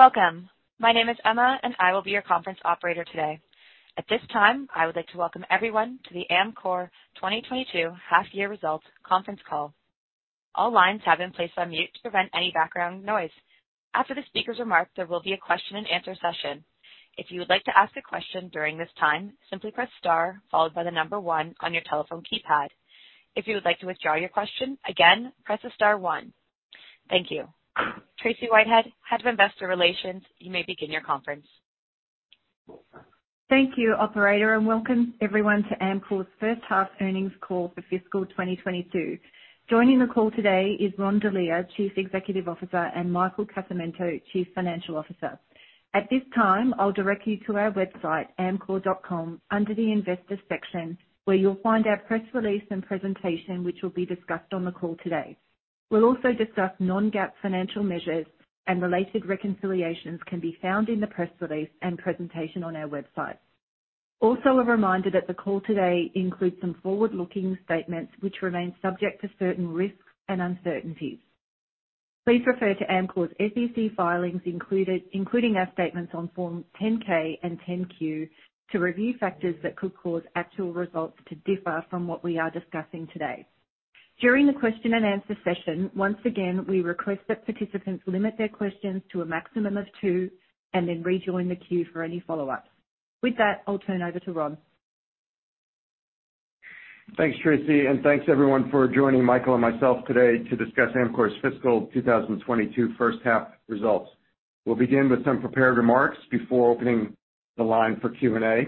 Welcome. My name is Emma, and I will be your conference operator today. At this time, I would like to welcome everyone to the Amcor 2022 half year results conference call. All lines have been placed on mute to prevent any background noise. After the speaker's remarks, there will be a question and answer session. If you would like to ask a question during this time, simply press star followed by the number one on your telephone keypad. If you would like to withdraw your question, again, press star one. Thank you. Tracey Whitehead, Head of Investor Relations, you may begin your conference. Thank you, operator, and welcome everyone to Amcor's first half earnings call for fiscal 2022. Joining the call today is Ron Delia, Chief Executive Officer, and Michael Casamento, Chief Financial Officer. At this time, I'll direct you to our website, amcor.com, under the investor section, where you'll find our press release and presentation, which will be discussed on the call today. We'll also discuss non-GAAP financial measures, and related reconciliations can be found in the press release and presentation on our website. Also, a reminder that the call today includes some forward-looking statements which remain subject to certain risks and uncertainties. Please refer to Amcor's SEC filings, including our statements on Form 10-K and 10-Q to review factors that could cause actual results to differ from what we are discussing today. During the question and answer session, once again, we request that participants limit their questions to a maximum of two and then rejoin the queue for any follow-ups. With that, I'll turn over to Ron. Thanks, Tracey, and thanks everyone for joining Michael and myself today to discuss Amcor's fiscal 2022 first half results. We'll begin with some prepared remarks before opening the line for Q&A.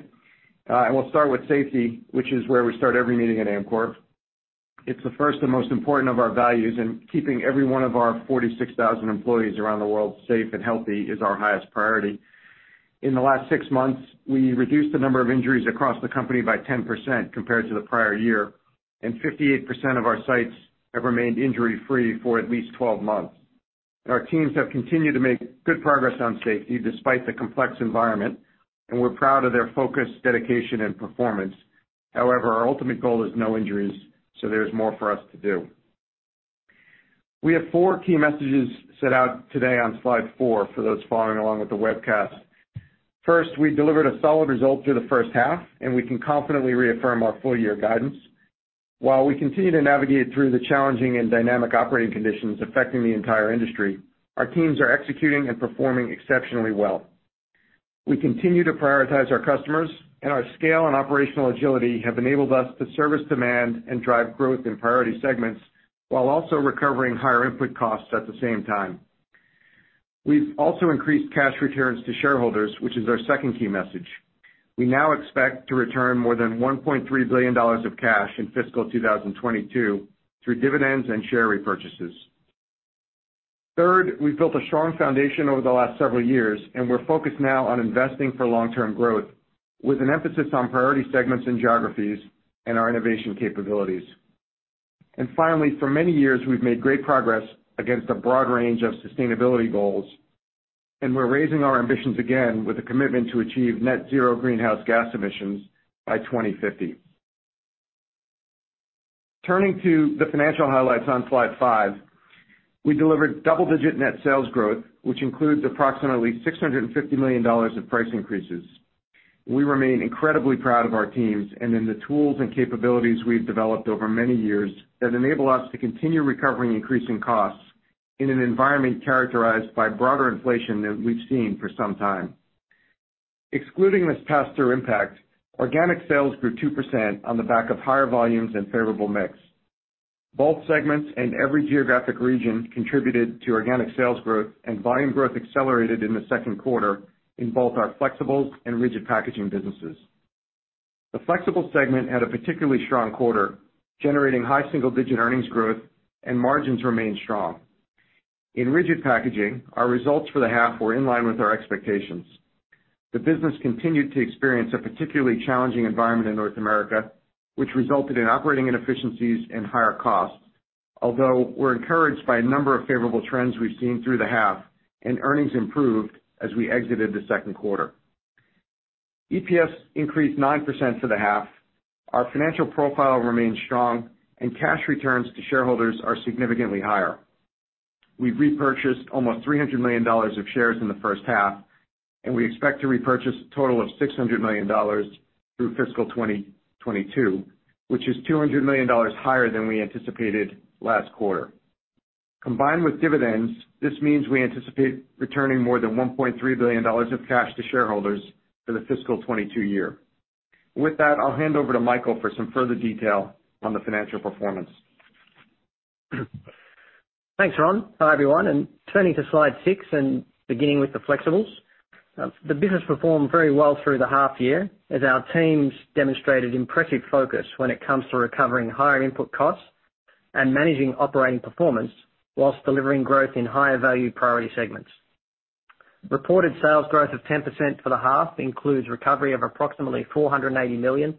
We'll start with safety, which is where we start every meeting at Amcor. It's the first and most important of our values, and keeping every one of our 46,000 employees around the world safe and healthy is our highest priority. In the last six months, we reduced the number of injuries across the company by 10% compared to the prior year, and 58% of our sites have remained injury-free for at least 12 months. Our teams have continued to make good progress on safety despite the complex environment, and we're proud of their focus, dedication, and performance. However, our ultimate goal is no injuries, so there's more for us to do. We have four key messages set out today on slide four for those following along with the webcast. First, we delivered a solid result through the first half, and we can confidently reaffirm our full year guidance. While we continue to navigate through the challenging and dynamic operating conditions affecting the entire industry, our teams are executing and performing exceptionally well. We continue to prioritize our customers, and our scale and operational agility have enabled us to service demand and drive growth in priority segments while also recovering higher input costs at the same time. We've also increased cash returns to shareholders, which is our second key message. We now expect to return more than $1.3 billion of cash in fiscal 2022 through dividends and share repurchases. Third, we've built a strong foundation over the last several years, and we're focused now on investing for long-term growth with an emphasis on priority segments and geographies and our innovation capabilities. Finally, for many years, we've made great progress against a broad range of sustainability goals, and we're raising our ambitions again with a commitment to achieve net zero greenhouse gas emissions by 2050. Turning to the financial highlights on slide five, we delivered double-digit net sales growth, which includes approximately $650 million of price increases. We remain incredibly proud of our teams and in the tools and capabilities we've developed over many years that enable us to continue recovering increasing costs in an environment characterized by broader inflation than we've seen for some time. Excluding this pass-through impact, organic sales grew 2% on the back of higher volumes and favorable mix. Both segments and every geographic region contributed to organic sales growth and volume growth accelerated in the second quarter in both our flexibles and rigid packaging businesses. The flexible segment had a particularly strong quarter, generating high single-digit earnings growth, and margins remained strong. In rigid packaging, our results for the half were in line with our expectations. The business continued to experience a particularly challenging environment in North America, which resulted in operating inefficiencies and higher costs. Although we're encouraged by a number of favorable trends we've seen through the half and earnings improved as we exited the second quarter. EPS increased 9% for the half. Our financial profile remains strong, and cash returns to shareholders are significantly higher. We've repurchased almost $300 million of shares in the first half, and we expect to repurchase a total of $600 million through fiscal 2022, which is $200 million higher than we anticipated last quarter. Combined with dividends, this means we anticipate returning more than $1.3 billion of cash to shareholders for the fiscal 2022 year. With that, I'll hand over to Michael for some further detail on the financial performance. Thanks, Ron. Hi, everyone. Turning to slide six and beginning with the flexibles. The business performed very well through the half year as our teams demonstrated impressive focus when it comes to recovering higher input costs and managing operating performance while delivering growth in higher value priority segments. Reported sales growth of 10% for the half includes recovery of approximately $480 million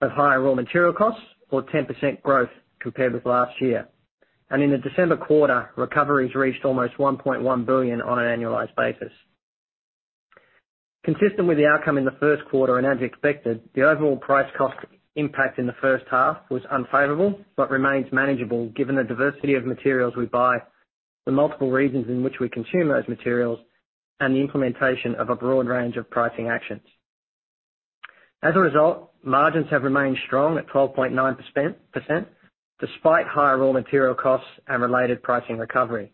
of higher raw material costs or 10% growth compared with last year. In the December quarter, recoveries reached almost $1.1 billion on an annualized basis. Consistent with the outcome in the first quarter, and as expected, the overall price cost impact in the first half was unfavorable but remains manageable given the diversity of materials we buy, the multiple reasons in which we consume those materials, and the implementation of a broad range of pricing actions. As a result, margins have remained strong at 12.9%, despite higher raw material costs and related pricing recovery.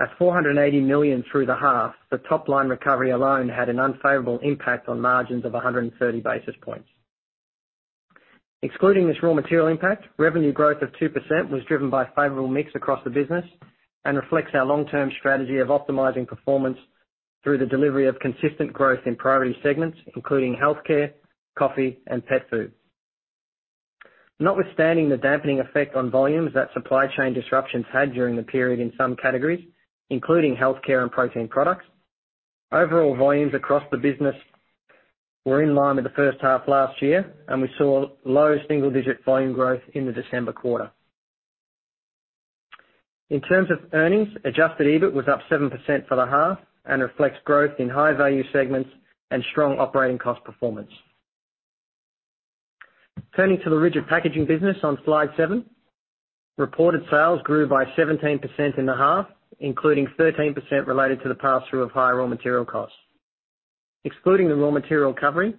At $480 million through the half, the top line recovery alone had an unfavorable impact on margins of 130 basis points. Excluding this raw material impact, revenue growth of 2% was driven by favorable mix across the business and reflects our long-term strategy of optimizing performance through the delivery of consistent growth in priority segments, including healthcare, coffee, and pet food. Notwithstanding the dampening effect on volumes that supply chain disruptions had during the period in some categories, including healthcare and protein products, overall volumes across the business were in line with the first half last year, and we saw low single-digit volume growth in the December quarter. In terms of earnings, adjusted EBIT was up 7% for the half and reflects growth in high value segments and strong operating cost performance. Turning to the rigid packaging business on slide seven. Reported sales grew by 17% in the half, including 13% related to the pass-through of higher raw material costs. Excluding the raw material recovery,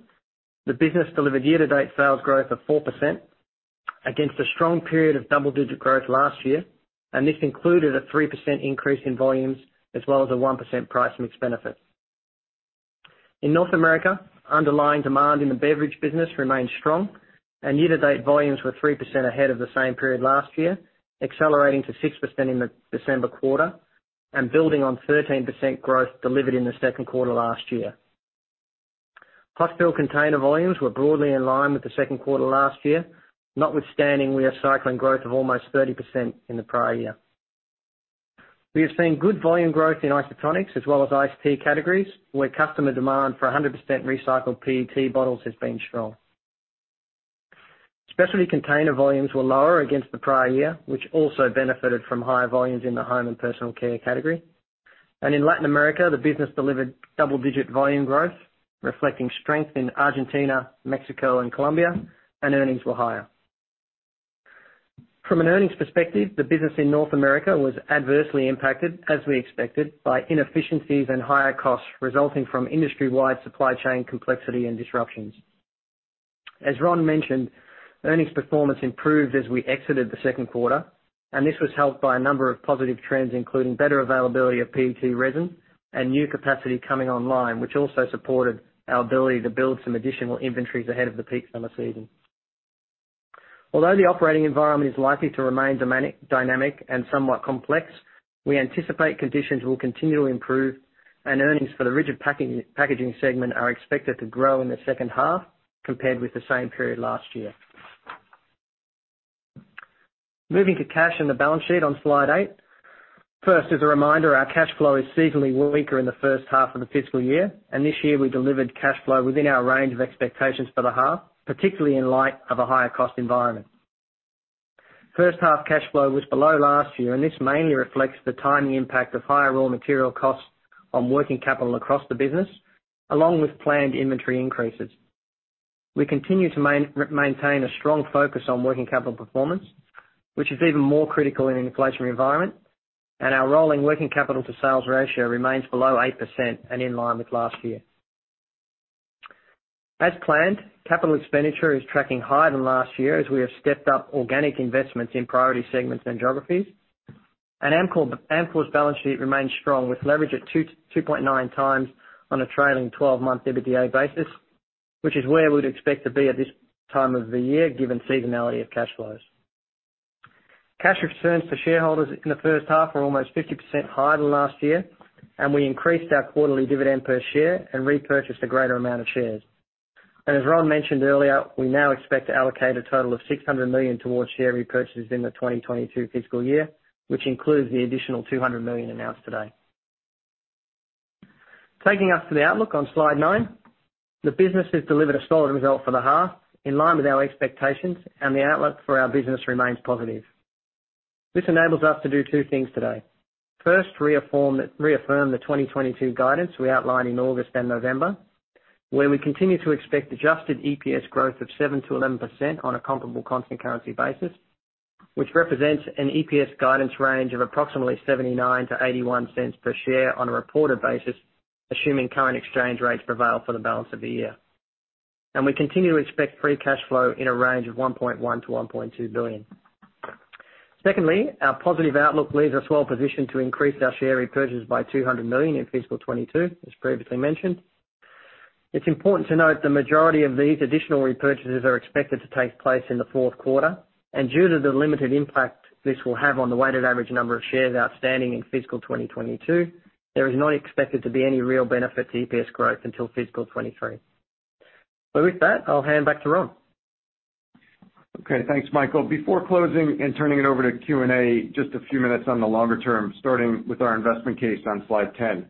the business delivered year-to-date sales growth of 4% against a strong period of double-digit growth last year, and this included a 3% increase in volumes as well as a 1% price mix benefit. In North America, underlying demand in the beverage business remained strong and year-to-date volumes were 3% ahead of the same period last year, accelerating to 6% in the December quarter and building on 13% growth delivered in the second quarter last year. hot-fill network volumes were broadly in line with the second quarter last year, notwithstanding, we are cycling growth of almost 30% in the prior year. We have seen good volume growth in isotonics as well as iced tea categories, where customer demand for 100% recycled PET bottles has been strong. Specialty container volumes were lower against the prior year, which also benefited from higher volumes in the home and personal care category. In Latin America, the business delivered double-digit volume growth, reflecting strength in Argentina, Mexico and Colombia, and earnings were higher. From an earnings perspective, the business in North America was adversely impacted, as we expected, by inefficiencies and higher costs resulting from industry-wide supply chain complexity and disruptions. As Ron mentioned, earnings performance improved as we exited the second quarter, and this was helped by a number of positive trends, including better availability of PET resin and new capacity coming online, which also supported our ability to build some additional inventories ahead of the peak summer season. Although the operating environment is likely to remain dynamic and somewhat complex, we anticipate conditions will continue to improve and earnings for the rigid packaging segment are expected to grow in the second half compared with the same period last year. Moving to cash and the balance sheet on slide eight. First, as a reminder, our cash flow is seasonally weaker in the first half of the fiscal year, and this year we delivered cash flow within our range of expectations for the half, particularly in light of a higher cost environment. First half cash flow was below last year, and this mainly reflects the timing impact of higher raw material costs on working capital across the business, along with planned inventory increases. We continue to maintain a strong focus on working capital performance, which is even more critical in an inflationary environment. Our rolling working capital to sales ratio remains below 8% and in line with last year. As planned, capital expenditure is tracking higher than last year as we have stepped up organic investments in priority segments and geographies. Amcor's balance sheet remains strong, with leverage at 2.9 times on a trailing twelve-month EBITDA basis, which is where we'd expect to be at this time of the year given seasonality of cash flows. Cash returns for shareholders in the first half were almost 50% higher than last year, and we increased our quarterly dividend per share and repurchased a greater amount of shares. As Ron mentioned earlier, we now expect to allocate a total of $600 million towards share repurchases in the 2022 fiscal year, which includes the additional $200 million announced today. Taking us to the outlook on slide nine. The business has delivered a solid result for the half in line with our expectations, and the outlook for our business remains positive. This enables us to do two things today. First, reaffirm the 2022 guidance we outlined in August and November, where we continue to expect adjusted EPS growth of 7%-11% on a comparable constant currency basis, which represents an EPS guidance range of approximately $0.79-$0.81 per share on a reported basis, assuming current exchange rates prevail for the balance of the year. We continue to expect free cash flow in a range of $1.1 billion-$1.2 billion. Secondly, our positive outlook leaves us well positioned to increase our share repurchases by $200 million in fiscal 2022, as previously mentioned. It's important to note the majority of these additional repurchases are expected to take place in the fourth quarter, and due to the limited impact this will have on the weighted average number of shares outstanding in fiscal 2022, there is not expected to be any real benefit to EPS growth until fiscal 2023. With that, I'll hand back to Ron. Okay. Thanks, Michael. Before closing and turning it over to Q&A, just a few minutes on the longer term, starting with our investment case on slide 10.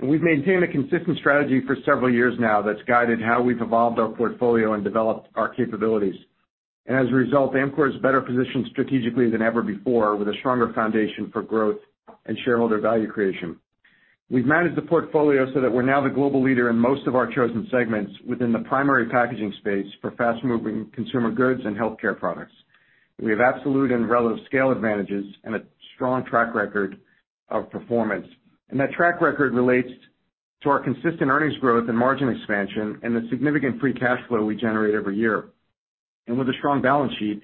We've maintained a consistent strategy for several years now that's guided how we've evolved our portfolio and developed our capabilities. As a result, Amcor is better positioned strategically than ever before with a stronger foundation for growth and shareholder value creation. We've managed the portfolio so that we're now the global leader in most of our chosen segments within the primary packaging space for fast-moving consumer goods and healthcare products. We have absolute and relative scale advantages and a strong track record of performance. That track record relates to our consistent earnings growth and margin expansion and the significant free cash flow we generate every year. With a strong balance sheet,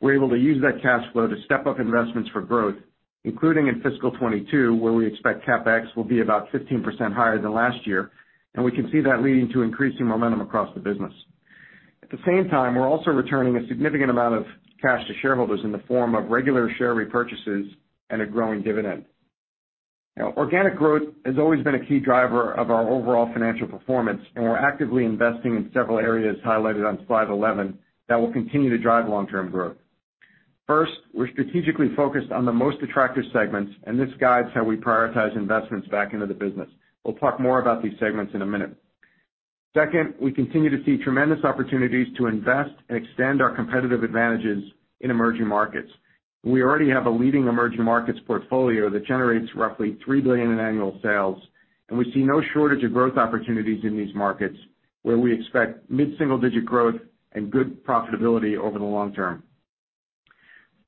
we're able to use that cash flow to step up investments for growth, including in fiscal 2022, where we expect CapEx will be about 15% higher than last year, and we can see that leading to increasing momentum across the business. At the same time, we're also returning a significant amount of cash to shareholders in the form of regular share repurchases and a growing dividend. Now organic growth has always been a key driver of our overall financial performance, and we're actively investing in several areas highlighted on slide 11 that will continue to drive long-term growth. First, we're strategically focused on the most attractive segments, and this guides how we prioritize investments back into the business. We'll talk more about these segments in a minute. Second, we continue to see tremendous opportunities to invest and extend our competitive advantages in emerging markets. We already have a leading emerging markets portfolio that generates roughly $3 billion in annual sales, and we see no shortage of growth opportunities in these markets, where we expect mid-single-digit growth and good profitability over the long term.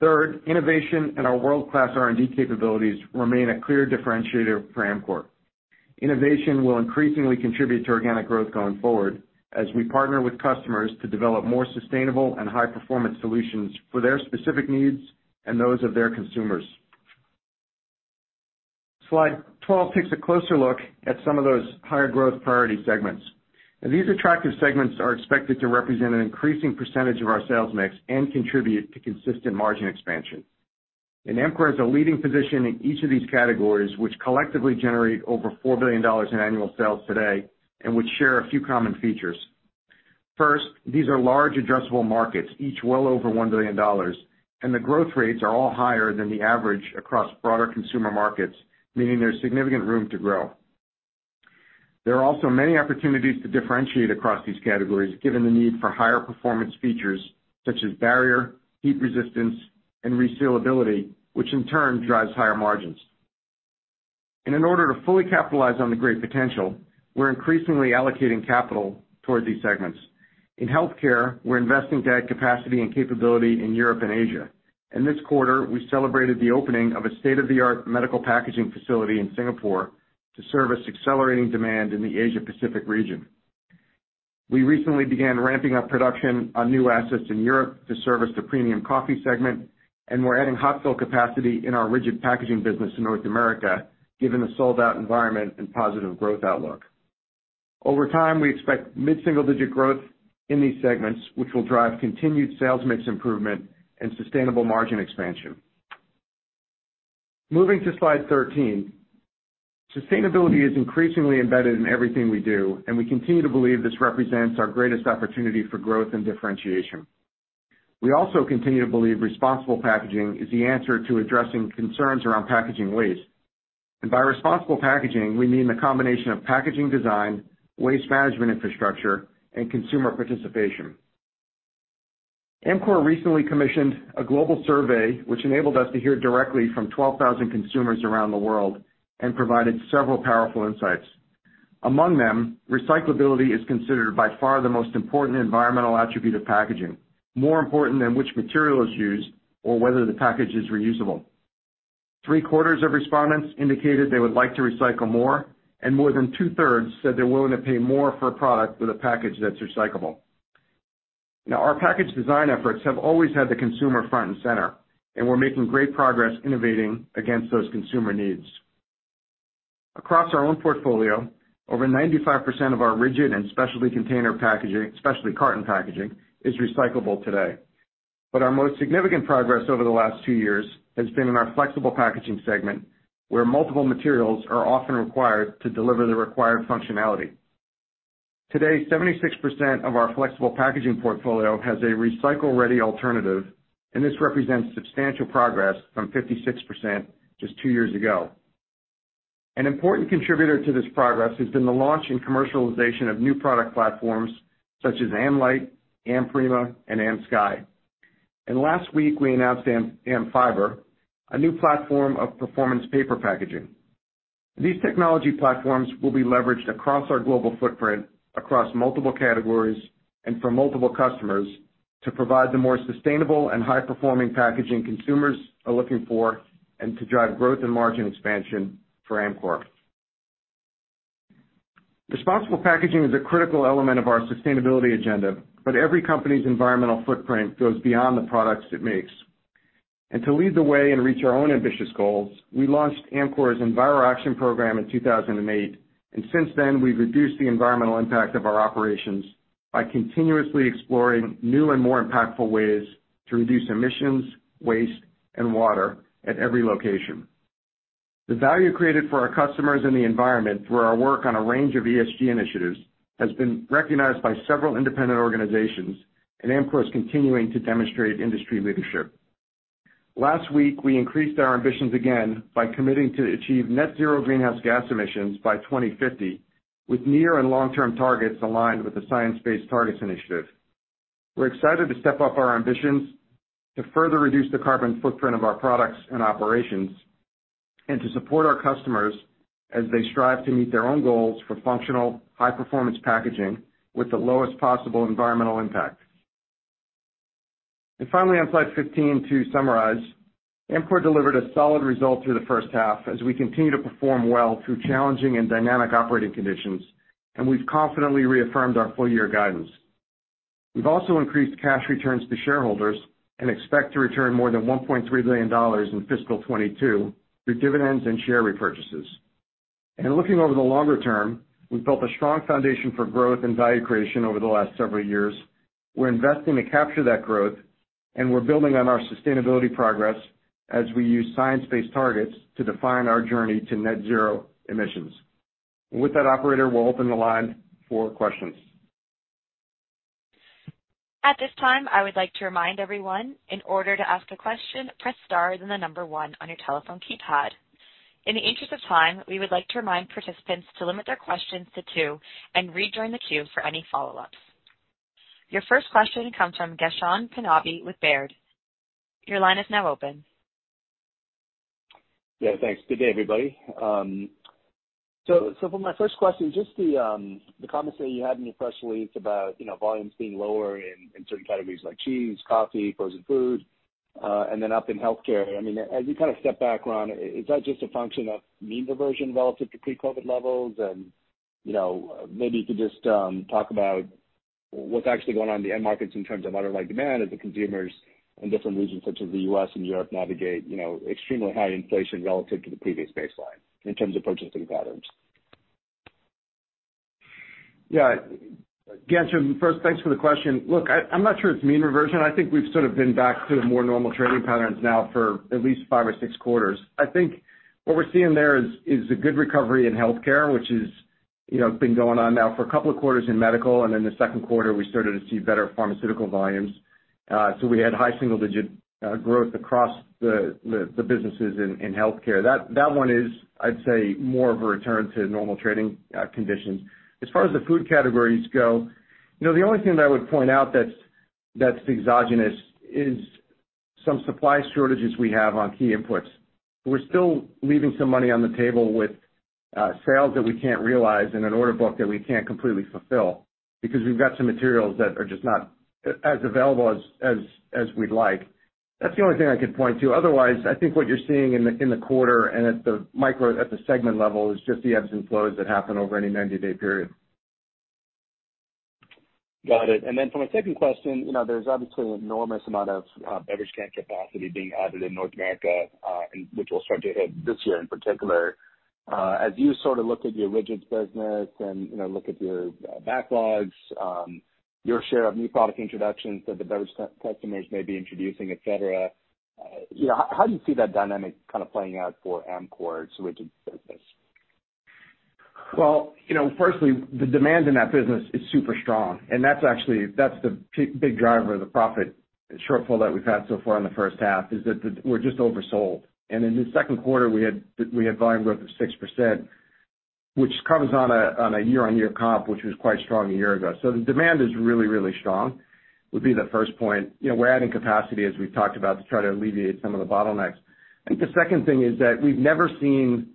Third, innovation and our world-class R&D capabilities remain a clear differentiator for Amcor. Innovation will increasingly contribute to organic growth going forward as we partner with customers to develop more sustainable and high-performance solutions for their specific needs and those of their consumers. Slide 12 takes a closer look at some of those higher growth priority segments. These attractive segments are expected to represent an increasing percentage of our sales mix and contribute to consistent margin expansion. Amcor has a leading position in each of these categories, which collectively generate over $4 billion in annual sales today and which share a few common features. First, these are large addressable markets, each well over $1 billion, and the growth rates are all higher than the average across broader consumer markets, meaning there's significant room to grow. There are also many opportunities to differentiate across these categories, given the need for higher performance features such as barrier, heat resistance, and resealability, which in turn drives higher margins. In order to fully capitalize on the great potential, we're increasingly allocating capital towards these segments. In healthcare, we're investing to add capacity and capability in Europe and Asia. In this quarter, we celebrated the opening of a state-of-the-art medical packaging facility in Singapore to service accelerating demand in the Asia Pacific region. We recently began ramping up production on new assets in Europe to service the premium coffee segment, and we're adding hot fill capacity in our rigid packaging business in North America, given the sold-out environment and positive growth outlook. Over time, we expect mid-single-digit growth in these segments, which will drive continued sales mix improvement and sustainable margin expansion. Moving to slide 13. Sustainability is increasingly embedded in everything we do, and we continue to believe this represents our greatest opportunity for growth and differentiation. We also continue to believe responsible packaging is the answer to addressing concerns around packaging waste. By responsible packaging, we mean the combination of packaging design, waste management infrastructure, and consumer participation. Amcor recently commissioned a global survey which enabled us to hear directly from 12,000 consumers around the world and provided several powerful insights. Among them, recyclability is considered by far the most important environmental attribute of packaging, more important than which material is used or whether the package is reusable. Three-quarters of respondents indicated they would like to recycle more, and more than two-thirds said they're willing to pay more for a product with a package that's recyclable. Now our package design efforts have always had the consumer front and center, and we're making great progress innovating against those consumer needs. Across our own portfolio, over 95% of our rigid and specialty container packaging, specialty carton packaging, is recyclable today. Our most significant progress over the last two years has been in our flexible packaging segment, where multiple materials are often required to deliver the required functionality. Today, 76% of our flexible packaging portfolio has a recycle-ready alternative, and this represents substantial progress from 56% just two years ago. An important contributor to this progress has been the launch and commercialization of new product platforms such as AmLite, AmPrima, and AmSky. Last week, we announced AmFiber, a new platform of performance paper packaging. These technology platforms will be leveraged across our global footprint, across multiple categories and for multiple customers to provide the more sustainable and high-performing packaging consumers are looking for and to drive growth and margin expansion for Amcor. Responsible packaging is a critical element of our sustainability agenda, but every company's environmental footprint goes beyond the products it makes. To lead the way and reach our own ambitious goals, we launched Amcor's EnviroAction program in 2008, and since then, we've reduced the environmental impact of our operations by continuously exploring new and more impactful ways to reduce emissions, waste, and water at every location. The value created for our customers and the environment through our work on a range of ESG initiatives has been recognized by several independent organizations, and Amcor is continuing to demonstrate industry leadership. Last week, we increased our ambitions again by committing to achieve net zero greenhouse gas emissions by 2050, with near and long-term targets aligned with the Science Based Targets initiative. We're excited to step up our ambitions to further reduce the carbon footprint of our products and operations, and to support our customers as they strive to meet their own goals for functional high-performance packaging with the lowest possible environmental impact. Finally, on slide 15 to summarize, Amcor delivered a solid result through the first half as we continue to perform well through challenging and dynamic operating conditions, and we've confidently reaffirmed our full-year guidance. We've also increased cash returns to shareholders and expect to return more than $1.3 billion in fiscal 2022 through dividends and share repurchases. Looking over the longer term, we've built a strong foundation for growth and value creation over the last several years. We're investing to capture that growth, and we're building on our sustainability progress as we use Science Based Targets to define our journey to net zero emissions. With that, operator, we'll open the line for questions. At this time, I would like to remind everyone, in order to ask a question, pressSstar, then one on your telephone keypad. In the interest of time, we would like to remind participants to limit their questions to two and rejoin the queue for any follow-ups. Your first question comes from Ghansham Panjabi with Baird. Your line is now open. Yeah, thanks. Good day, everybody. For my first question, just the comments that you had in your press release about, you know, volumes being lower in certain categories like cheese, coffee, frozen food, and then up in health care. I mean, as you kind of step back, Ron, is that just a function of mean reversion relative to pre-COVID levels? You know, maybe you could just talk about what's actually going on in the end markets in terms of underlying demand as the consumers in different regions such as the U.S. and Europe navigate, you know, extremely high inflation relative to the previous baseline in terms of purchasing patterns. Yeah. Ghansham first, thanks for the question. Look, I'm not sure it's mean reversion. I think we've sort of been back to more normal trading patterns now for at least five or six quarters. I think what we're seeing there is a good recovery in health care, which, you know, been going on now for a couple of quarters in medical. In the second quarter, we started to see better pharmaceutical volumes. So we had high single-digit growth across the businesses in health care. That one is, I'd say, more of a return to normal trading conditions. As far as the food categories go, you know, the only thing that I would point out that's exogenous is some supply shortages we have on key inputs. We're still leaving some money on the table with sales that we can't realize and an order book that we can't completely fulfill because we've got some materials that are just not as available as we'd like. That's the only thing I could point to. Otherwise, I think what you're seeing in the quarter and at the micro, at the segment level is just the ebbs and flows that happen over any 90-day period. Got it. Then for my second question, you know, there's obviously an enormous amount of beverage can capacity being added in North America, and which will start to hit this year in particular. As you sort of look at your rigids business and, you know, look at your backlogs, your share of new product introductions that the beverage customers may be introducing, et cetera, you know, how do you see that dynamic kind of playing out for Amcor's rigids business? Well, you know, firstly, the demand in that business is super strong, and that's actually the big driver of the profit shortfall that we've had so far in the first half, is that we're just oversold. In the second quarter, we had volume growth of 6%, which comes on a year-on-year comp, which was quite strong a year ago. The demand is really, really strong, would be the first point. You know, we're adding capacity as we've talked about, to try to alleviate some of the bottlenecks. I think the second thing is that we've never seen,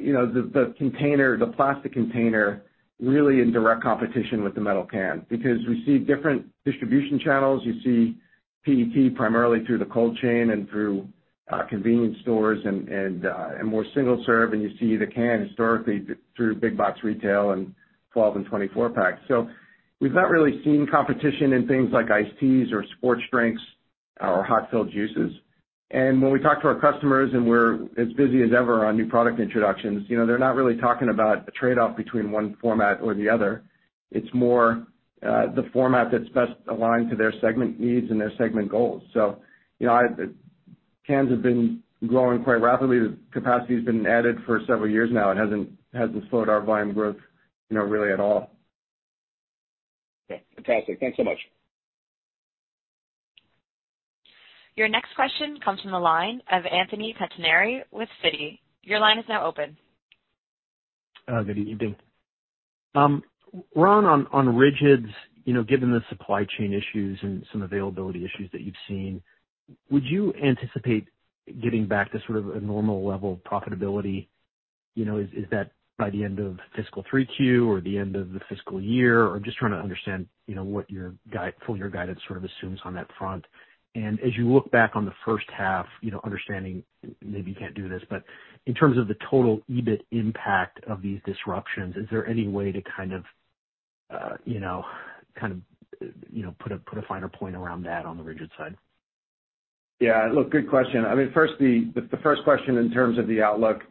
you know, the container, the plastic container really in direct competition with the metal can because we see different distribution channels. You see PET primarily through the cold chain and through convenience stores and more single-serve, and you see the can historically through big box retail and 12- and 24-packs. We've not really seen competition in things like iced teas or sports drinks or hot-filled juices. When we talk to our customers and we're as busy as ever on new product introductions, you know, they're not really talking about a trade-off between one format or the other. It's more the format that's best aligned to their segment needs and their segment goals. You know, cans have been growing quite rapidly. The capacity's been added for several years now and hasn't slowed our volume growth, you know, really at all. Okay, fantastic. Thanks so much. Your next question comes from the line of Anthony Pettinari with Citi. Your line is now open. Good evening. Ron, on rigids, you know, given the supply chain issues and some availability issues that you've seen, would you anticipate getting back to sort of a normal level of profitability? You know, is that by the end of fiscal 3Q or the end of the fiscal year? Or just trying to understand, you know, what your full year guidance sort of assumes on that front. As you look back on the first half, you know, understanding maybe you can't do this, but in terms of the total EBIT impact of these disruptions, is there any way to kind of, you know, kind of, you know, put a finer point around that on the rigid side? Yeah. Look, good question. I mean, first question in terms of the outlook,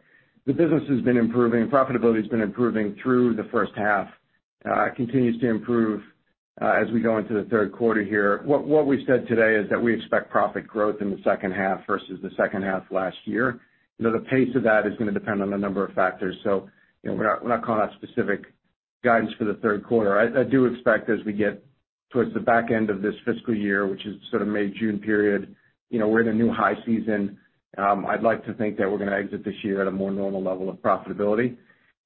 the business has been improving, profitability has been improving through the first half, continues to improve, as we go into the third quarter here. What we said today is that we expect profit growth in the second half versus the second half last year. You know, the pace of that is gonna depend on a number of factors. You know, we're not calling out specific guidance for the third quarter. I do expect as we get towards the back end of this fiscal year, which is sort of May, June period, you know, we're in a new high season. I'd like to think that we're gonna exit this year at a more normal level of profitability.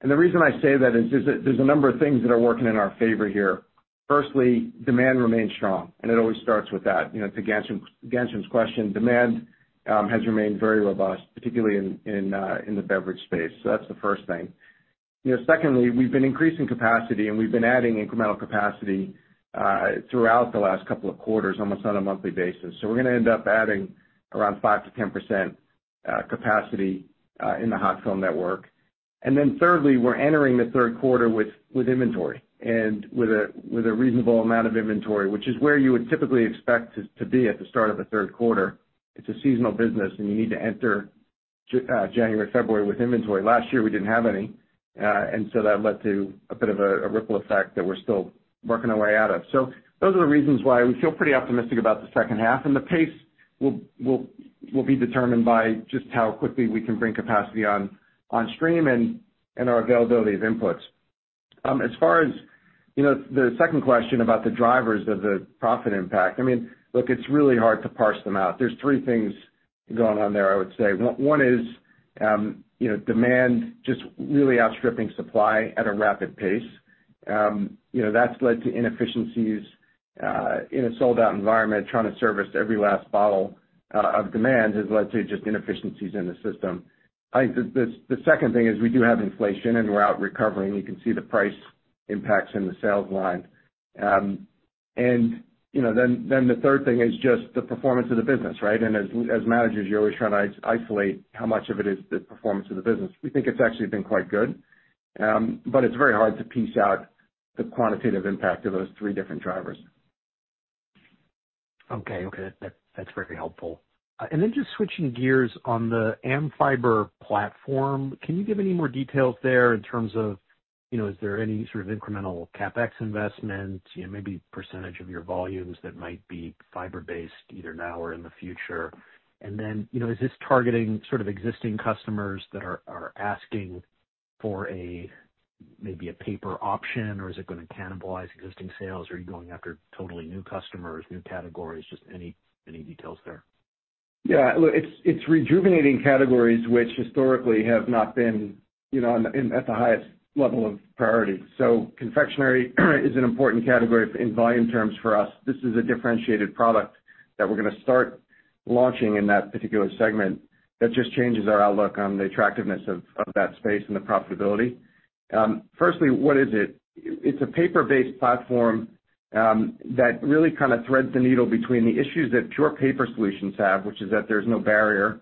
The reason I say that is that there's a number of things that are working in our favor here. Firstly, demand remains strong, and it always starts with that. You know, to Ghansham's question, demand has remained very robust, particularly in the beverage space. So that's the first thing. You know, secondly, we've been increasing capacity, and we've been adding incremental capacity throughout the last couple of quarters, almost on a monthly basis. So we're gonna end up adding around 5%-10% capacity in the hot film network. Then thirdly, we're entering the third quarter with inventory and with a reasonable amount of inventory, which is where you would typically expect to be at the start of a third quarter. It's a seasonal business, and you need to enter January, February with inventory. Last year, we didn't have any. That led to a bit of a ripple effect that we're still working our way out of. Those are the reasons why we feel pretty optimistic about the second half, and the pace will be determined by just how quickly we can bring capacity on stream and our availability of inputs. As far as, you know, the second question about the drivers of the profit impact, I mean, look, it's really hard to parse them out. There's three things going on there, I would say. One is, you know, demand just really outstripping supply at a rapid pace. You know, that's led to inefficiencies in a sold-out environment, trying to service every last bottle of demand has led to just inefficiencies in the system. I think the second thing is we do have inflation, and we're outrecovering. You can see the price impacts in the sales line. You know, then the third thing is just the performance of the business, right? As managers, you're always trying to isolate how much of it is the performance of the business. We think it's actually been quite good, but it's very hard to piece out the quantitative impact of those three different drivers. Okay. Okay. That, that's very helpful. And then just switching gears on the AmFiber platform, can you give any more details there in terms of, you know, is there any sort of incremental CapEx investment, you know, maybe percentage of your volumes that might be fiber-based either now or in the future? And then, you know, is this targeting sort of existing customers that are asking for a, maybe a paper option, or is it gonna cannibalize existing sales? Are you going after totally new customers, new categories? Just any details there? Yeah. Look, it's rejuvenating categories which historically have not been, you know, in at the highest level of priority. Confectionery is an important category in volume terms for us. This is a differentiated product that we're gonna start launching in that particular segment that just changes our outlook on the attractiveness of that space and the profitability. First, what is it? It's a paper-based platform that really kind of threads the needle between the issues that pure paper solutions have, which is that there's no barrier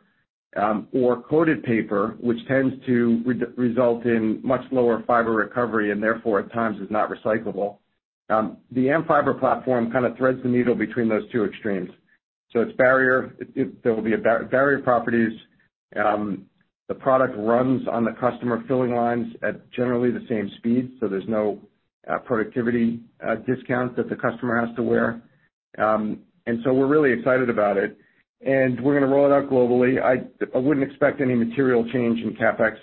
or coated paper, which tends to result in much lower fiber recovery and therefore at times is not recyclable. The AmFiber platform kind of threads the needle between those two extremes. It's barrier. There will be barrier properties. The product runs on the customer filling lines at generally the same speed, so there's no productivity discount that the customer has to bear. We're really excited about it, and we're gonna roll it out globally. I wouldn't expect any material change in CapEx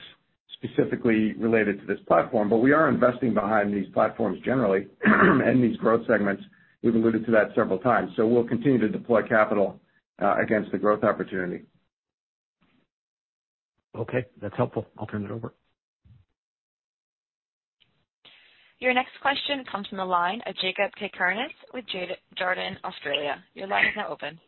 specifically related to this platform, but we are investing behind these platforms generally and these growth segments. We've alluded to that several times. We'll continue to deploy capital against the growth opportunity. Okay, that's helpful. I'll turn it over. Your next question comes from the line of Jacob Cakarnis with Jarden Australia. Your line is now open.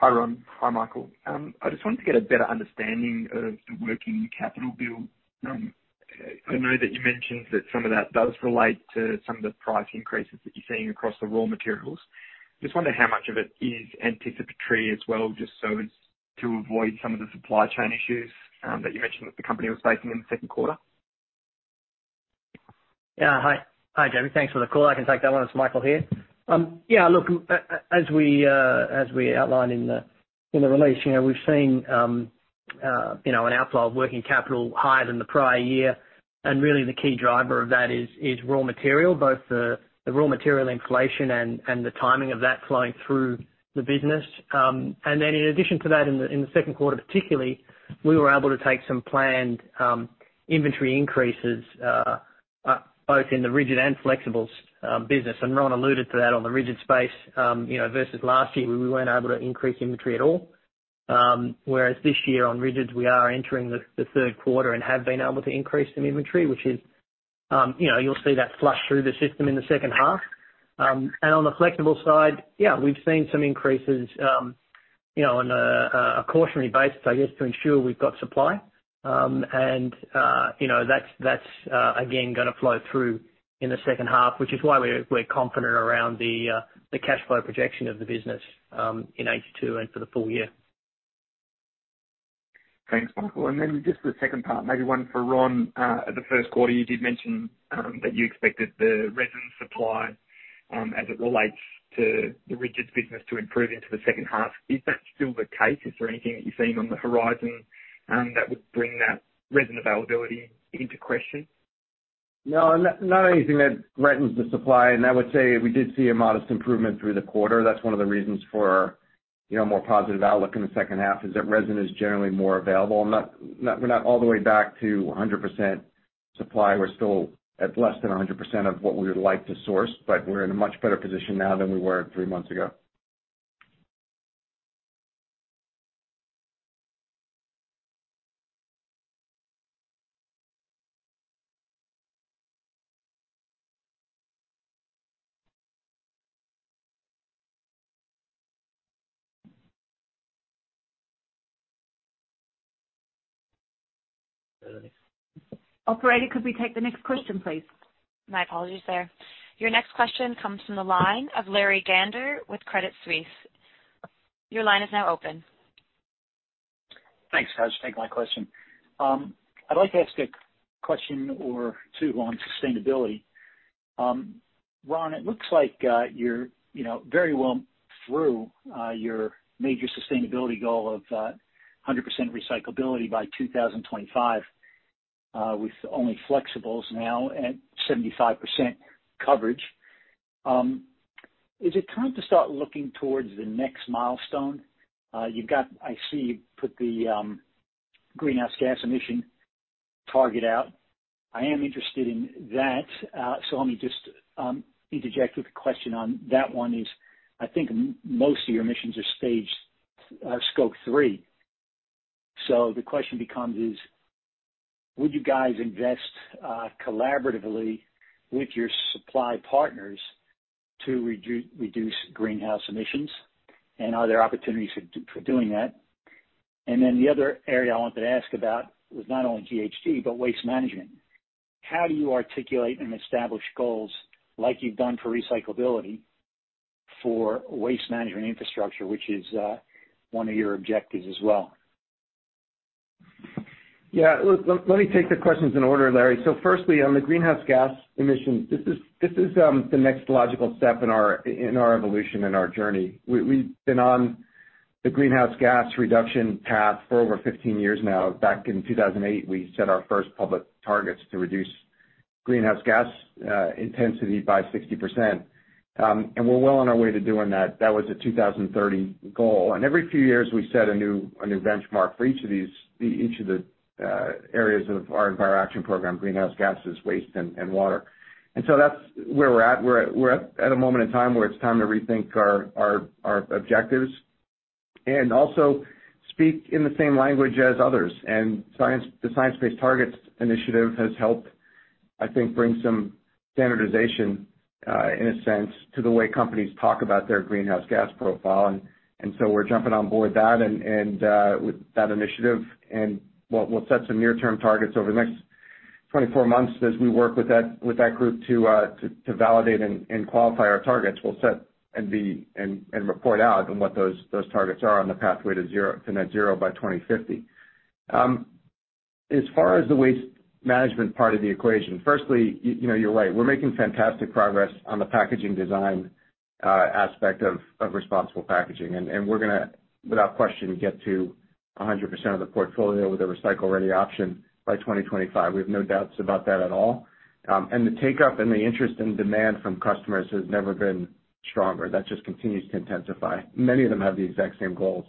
Hi, Ron. Hi, Michael. I just wanted to get a better understanding of the working capital build. I know that you mentioned that some of that does relate to some of the price increases that you're seeing across the raw materials. Just wondering how much of it is anticipatory as well, just so as to avoid some of the supply chain issues, that you mentioned that the company was facing in the second quarter. Yeah. Hi. Hi, Jakob. Thanks for the call. I can take that one. It's Michael here. Yeah, look, as we outlined in the release, you know, we've seen, you know, an outflow of working capital higher than the prior year. Really the key driver of that is raw material, both the raw material inflation and the timing of that flowing through the business. In addition to that, in the second quarter particularly, we were able to take some planned inventory increases, both in the rigid and flexibles business. Ron alluded to that on the rigid space, you know, versus last year, where we weren't able to increase inventory at all. Whereas this year on rigids, we are entering the third quarter and have been able to increase some inventory, which is, you know, you'll see that flush through the system in the second half. On the flexible side, yeah, we've seen some increases, you know, on a cautionary basis, I guess, to ensure we've got supply. You know, that's again gonna flow through in the second half, which is why we're confident around the cash flow projection of the business in H2 and for the full year. Thanks, Michael. Just the second part, maybe one for Ron. The first quarter, you did mention that you expected the resin supply as it relates to the rigids business to improve into the second half. Is that still the case? Is there anything that you're seeing on the horizon that would bring that resin availability into question? No, not anything that threatens the supply. I would say we did see a modest improvement through the quarter. That's one of the reasons for, you know, more positive outlook in the second half is that resin is generally more available. Not, we're not all the way back to 100% supply. We're still at less than 100% of what we would like to source, but we're in a much better position now than we were three months ago. Operator, could we take the next question, please? My apologies there. Your next question comes from the line of Larry Gandler with Credit Suisse. Your line is now open. Thanks, guys. Take my question. I'd like to ask a question or two on sustainability. Ron, it looks like, you're, you know, very well through your major sustainability goal of 100% recyclability by 2025, with only flexibles now at 75% coverage. Is it time to start looking towards the next milestone? You've got. I see you put the greenhouse gas emission target out. I am interested in that. So let me just interject with a question on that one is, I think most of your emissions are Scope three. So the question becomes is: would you guys invest collaboratively with your supply partners to reduce greenhouse emissions? Are there opportunities for doing that? The other area I wanted to ask about was not only GHG, but waste management. How do you articulate and establish goals like you've done for recyclability for waste management infrastructure, which is, one of your objectives as well? Yeah. Look, let me take the questions in order, Larry. Firstly, on the greenhouse gas emissions, this is the next logical step in our evolution and our journey. We've been on the greenhouse gas reduction path for over 15 years now. Back in 2008, we set our first public targets to reduce greenhouse gas intensity by 60%. We're well on our way to doing that. That was a 2030 goal. Every few years, we set a new benchmark for each of the areas of our EnviroAction program, greenhouse gases, waste, and water. That's where we're at. We're at a moment in time where it's time to rethink our objectives and also speak in the same language as others. The Science Based Targets initiative has helped, I think, bring some standardization in a sense to the way companies talk about their greenhouse gas profile, and so we're jumping on board with that initiative. We'll set some near-term targets over the next 24 months as we work with that group to validate and qualify our targets. We'll set and report out on what those targets are on the pathway to net zero by 2050. As far as the waste management part of the equation, firstly, you know, you're right. We're making fantastic progress on the packaging design aspect of responsible packaging. We're gonna, without question, get to 100% of the portfolio with a recycle-ready option by 2025. We have no doubts about that at all. The take-up and the interest and demand from customers has never been stronger. That just continues to intensify. Many of them have the exact same goals.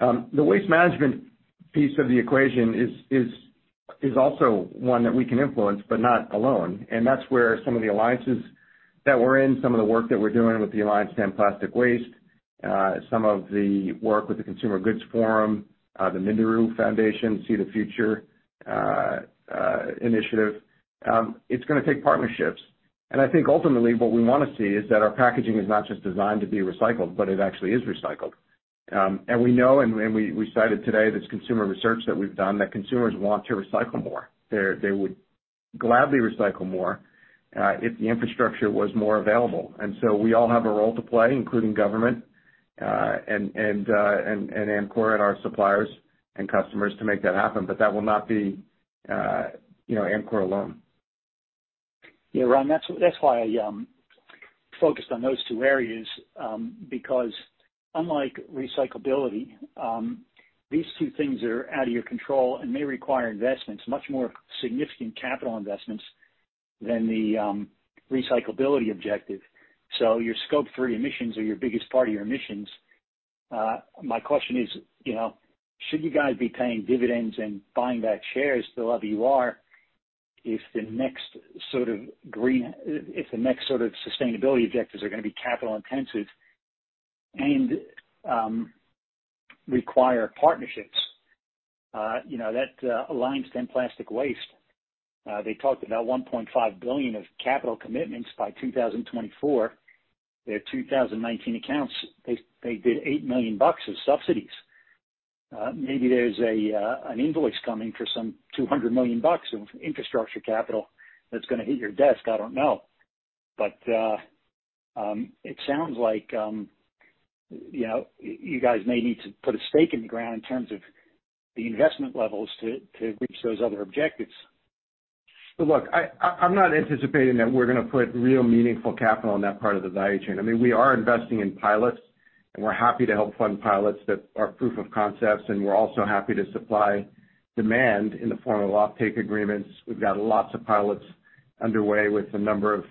The waste management piece of the equation is also one that we can influence, but not alone. That's where some of the alliances that we're in, some of the work that we're doing with the Alliance to End Plastic Waste, some of the work with the Consumer Goods Forum, the Minderoo Foundation, Sea the Future initiative, it's gonna take partnerships. I think ultimately what we wanna see is that our packaging is not just designed to be recycled, but it actually is recycled. We know, and we cited today this consumer research that we've done, that consumers want to recycle more. They would gladly recycle more if the infrastructure was more available. We all have a role to play, including government and Amcor and our suppliers and customers to make that happen, but that will not be, you know, Amcor alone. Yeah, Ron, that's why I focused on those two areas, because unlike recyclability, these two things are out of your control and may require investments, much more significant capital investments than the recyclability objective. Your Scope three emissions are your biggest part of your emissions. My question is, you know, should you guys be paying dividends and buying back shares the way you are if the next sort of sustainability objectives are gonna be capital intensive and require partnerships? You know, that Alliance to End Plastic Waste, they talked about $1.5 billion of capital commitments by 2024. Their 2019 accounts, they did $8 million in subsidies. Maybe there's an invoice coming for some $200 million of infrastructure capital that's gonna hit your desk, I don't know. It sounds like, you know, you guys may need to put a stake in the ground in terms of the investment levels to reach those other objectives. Look, I'm not anticipating that we're gonna put real meaningful capital in that part of the value chain. I mean, we are investing in pilots, and we're happy to help fund pilots that are proof of concepts, and we're also happy to supply demand in the form of offtake agreements. We've got lots of pilots underway with a number of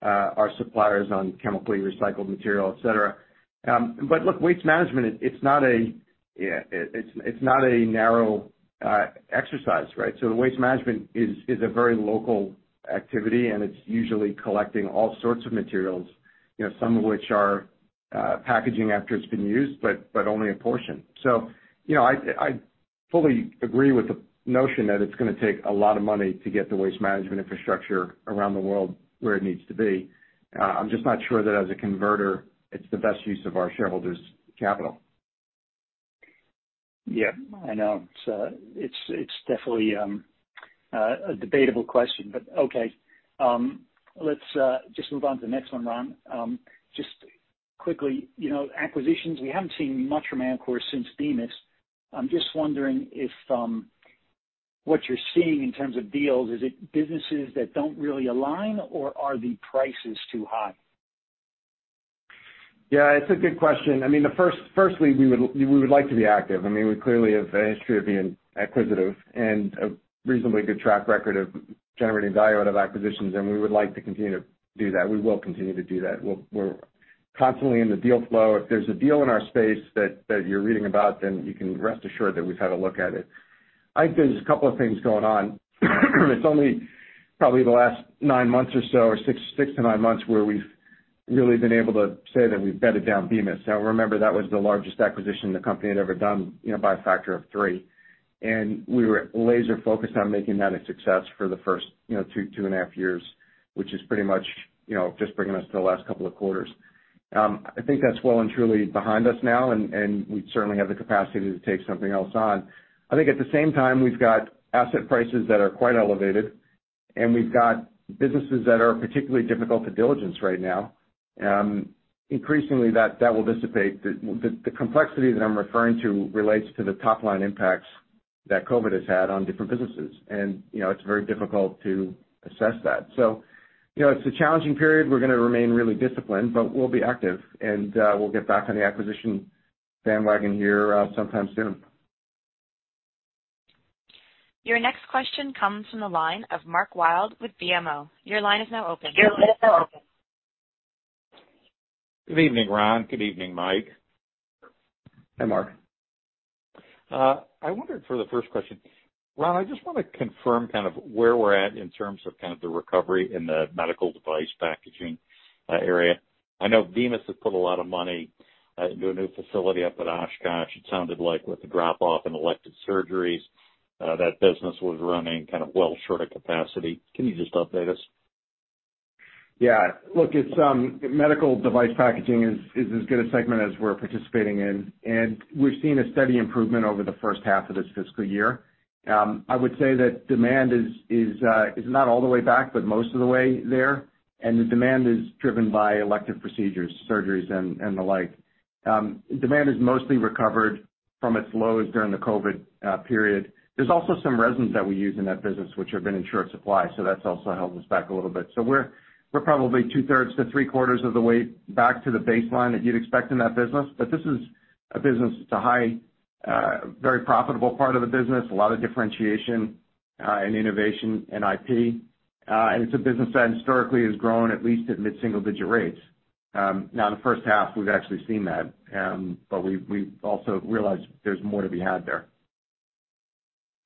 our suppliers on chemically recycled material, et cetera. Look, waste management, it's not a narrow exercise, right? The waste management is a very local activity, and it's usually collecting all sorts of materials, you know, some of which are packaging after it's been used, but only a portion. You know, I fully agree with the notion that it's gonna take a lot of money to get the waste management infrastructure around the world where it needs to be. I'm just not sure that as a converter it's the best use of our shareholders' capital. Yeah, I know. It's definitely a debatable question, but okay. Let's just move on to the next one, Ron. Just quickly, you know, acquisitions, we haven't seen much from Amcor since Bemis. I'm just wondering if what you're seeing in terms of deals, is it businesses that don't really align, or are the prices too high? Yeah, it's a good question. I mean, firstly, we would like to be active. I mean, we clearly have a history of being acquisitive and a reasonably good track record of generating value out of acquisitions, and we would like to continue to do that. We will continue to do that. We're constantly in the deal flow. If there's a deal in our space that you're reading about, then you can rest assured that we've had a look at it. I think there's a couple of things going on. It's only probably the last nine months or so, or six to nine months, where we've really been able to say that we've bedded down Bemis. Now, remember, that was the largest acquisition the company had ever done, you know, by a factor of three. We were laser focused on making that a success for the first, you know, two and a half years, which is pretty much, you know, just bringing us to the last couple of quarters. I think that's well and truly behind us now, and we certainly have the capacity to take something else on. I think at the same time, we've got asset prices that are quite elevated, and we've got businesses that are particularly difficult to diligence right now. Increasingly that will dissipate. The complexity that I'm referring to relates to the top line impacts that COVID has had on different businesses. You know, it's very difficult to assess that. You know, it's a challenging period. We're gonna remain really disciplined, but we'll be active, and we'll get back on the acquisition bandwagon here sometime soon. Your next question comes from the line of Mark Wilde with BMO. Your line is now open. Good evening, Ron. Good evening, Mike. Hi, Mark. I wondered for the first question, Ron, I just wanna confirm kind of where we're at in terms of kind of the recovery in the medical device packaging, area. I know Bemis has put a lot of money, into a new facility up at Oshkosh. It sounded like with the drop off in elective surgeries, that business was running kind of well short of capacity. Can you just update us? Yeah. Look, it's medical device packaging is as good a segment as we're participating in, and we've seen a steady improvement over the first half of this fiscal year. I would say that demand is not all the way back, but most of the way there. The demand is driven by elective procedures, surgeries and the like. Demand is mostly recovered from its lows during the COVID period. There's also some resins that we use in that business which have been in short supply, so that's also held us back a little bit. We're probably two-thirds to three-quarters of the way back to the baseline that you'd expect in that business. This is a business that's a highly profitable part of the business, a lot of differentiation and innovation and IP. it's a business that historically has grown at least at mid-single digit rates. Now in the first half, we've actually seen that, but we've also realized there's more to be had there.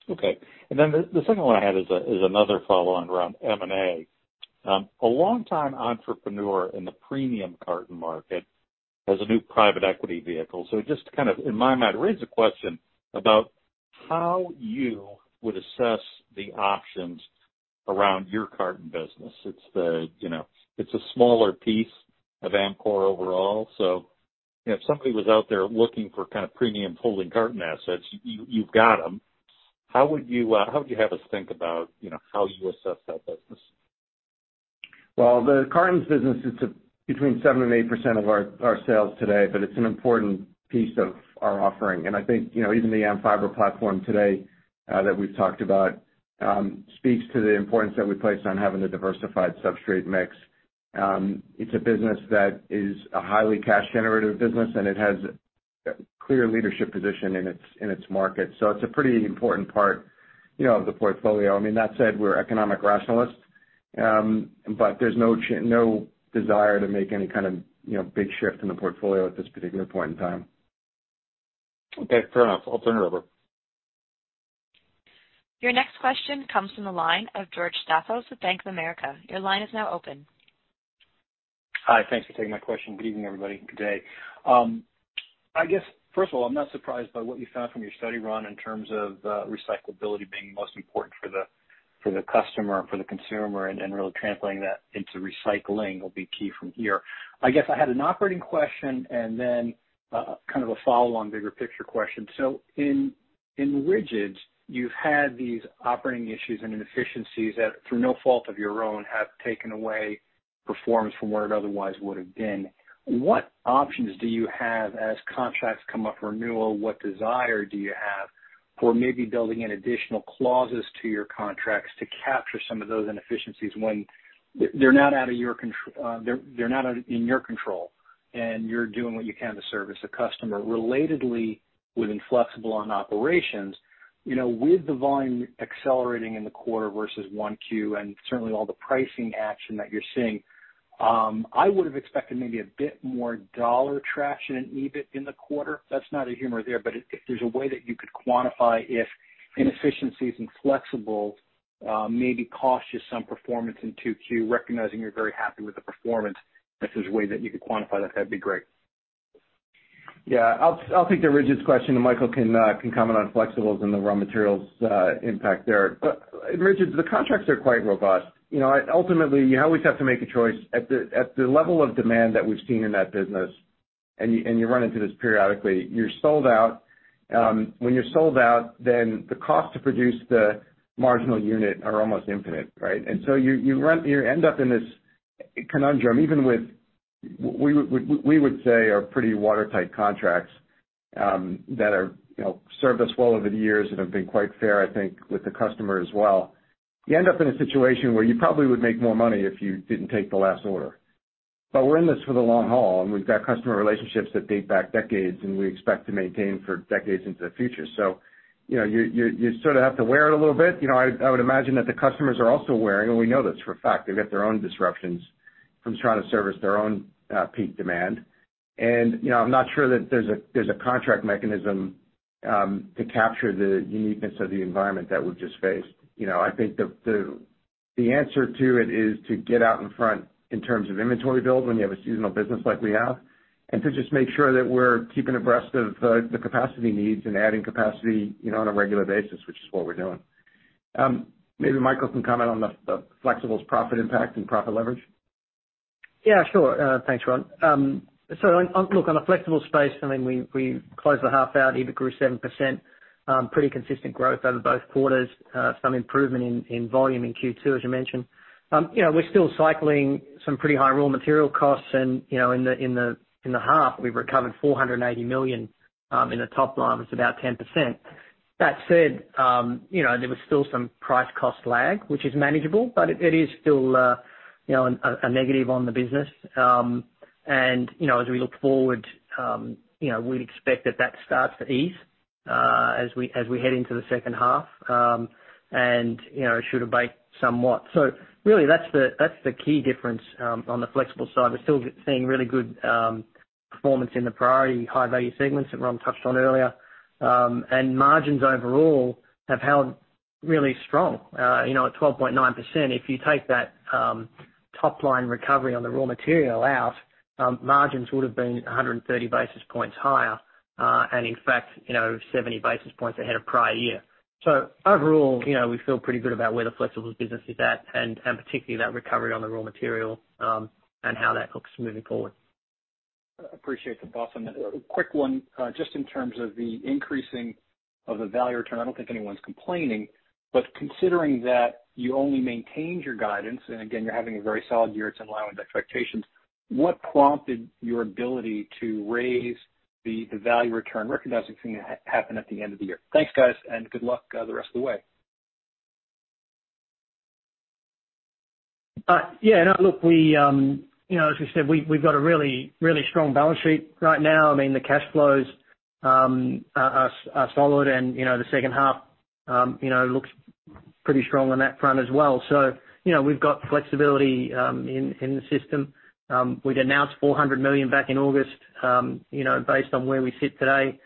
Okay. The second one I had is another follow on around M&A. A longtime entrepreneur in the premium carton market has a new private equity vehicle. Just to kind of, in my mind, raise a question about how you would assess the options around your carton business. You know, it's a smaller piece of Amcor overall. You know, if somebody was out there looking for kind of premium folding carton assets, you've got them. How would you have us think about, you know, how you assess that business? Well, the cartons business is between 7% and 8% of our sales today, but it's an important piece of our offering. I think, you know, even the AmFiber platform today, that we've talked about, speaks to the importance that we place on having a diversified substrate mix. It's a business that is a highly cash generative business, and it has a clear leadership position in its market. It's a pretty important part, you know, of the portfolio. I mean, that said, we're economic rationalists, but there's no desire to make any kind of, you know, big shift in the portfolio at this particular point in time. Okay, fair enough. I'll turn it over. Your next question comes from the line of George Staphos with Bank of America. Your line is now open. Hi. Thanks for taking my question. Good evening, everybody. Good day. I guess, first of all, I'm not surprised by what you found from your study, Ron, in terms of, recyclability being most important for the customer and for the consumer, and really translating that into recycling will be key from here. I guess I had an operating question and then, kind of a follow-on bigger picture question. In rigids, you've had these operating issues and inefficiencies that through no fault of your own, have taken away performance from where it otherwise would have been. What options do you have as contracts come up for renewal? What desire do you have for maybe building in additional clauses to your contracts to capture some of those inefficiencies when they're not out of your control? You're doing what you can to service the customer. Relatedly, within Flexibles operations, with the volume accelerating in the quarter versus 1Q and certainly all the pricing action that you're seeing, I would have expected maybe a bit more dollar traction in EBIT in the quarter. That's not a humor there, but if there's a way that you could quantify if inefficiencies in Flexibles maybe cost you some performance in 2Q, recognizing you're very happy with the performance, if there's a way that you could quantify that'd be great. Yeah. I'll take the rigid question, and Michael can comment on flexibles and the raw materials impact there. Richard, the contracts are quite robust. You know, ultimately, you always have to make a choice. At the level of demand that we've seen in that business, and you run into this periodically, you're sold out. When you're sold out, then the cost to produce the marginal unit are almost infinite, right? You end up in this conundrum, even with we would say are pretty watertight contracts, that are, you know, served us well over the years and have been quite fair, I think, with the customer as well. You end up in a situation where you probably would make more money if you didn't take the last order. We're in this for the long haul, and we've got customer relationships that date back decades, and we expect to maintain for decades into the future. You know, you sort of have to wear it a little bit. You know, I would imagine that the customers are also wearing, and we know this for a fact. They've got their own disruptions from trying to service their own peak demand. You know, I'm not sure that there's a contract mechanism to capture the uniqueness of the environment that we've just faced. You know, I think the answer to it is to get out in front in terms of inventory build when you have a seasonal business like we have, and to just make sure that we're keeping abreast of the capacity needs and adding capacity, you know, on a regular basis, which is what we're doing. Maybe Michael can comment on the flexibles profit impact and profit leverage. Yeah, sure. Thanks, Ron. On the flexible space, look, I mean, we closed the half out. EBIT grew 7%, pretty consistent growth over both quarters, some improvement in volume in Q2, as you mentioned. You know, we're still cycling some pretty high raw material costs and, you know, in the half, we've recovered $480 million in the top line. It's about 10%. That said, you know, there was still some price cost lag, which is manageable, but it is still, you know, a negative on the business. You know, as we look forward, you know, we'd expect that starts to ease, as we head into the second half, and you know, it should abate somewhat. Really, that's the key difference on the flexible side. We're still seeing really good performance in the priority high-value segments that Ron touched on earlier. Margins overall have held really strong, you know, at 12.9%. If you take that top-line recovery on the raw material out, margins would have been 130 basis points higher, and in fact, you know, 70 basis points ahead of prior year. Overall, you know, we feel pretty good about where the flexibles business is at, and particularly that recovery on the raw material and how that looks moving forward. Appreciate the thoughts on that. A quick one, just in terms of the increasing of the value return, I don't think anyone's complaining, but considering that you only maintained your guidance, and again, you're having a very solid year, it's in line with expectations, what prompted your ability to raise the value return, recognizing it's gonna happen at the end of the year? Thanks, guys, and good luck the rest of the way. Yeah, no, look, you know, as we said, we've got a really strong balance sheet right now. I mean, the cash flows are solid and, you know, the second half looks pretty strong on that front as well. You know, we've got flexibility in the system. We'd announced $400 million back in August. You know, based on where we sit today,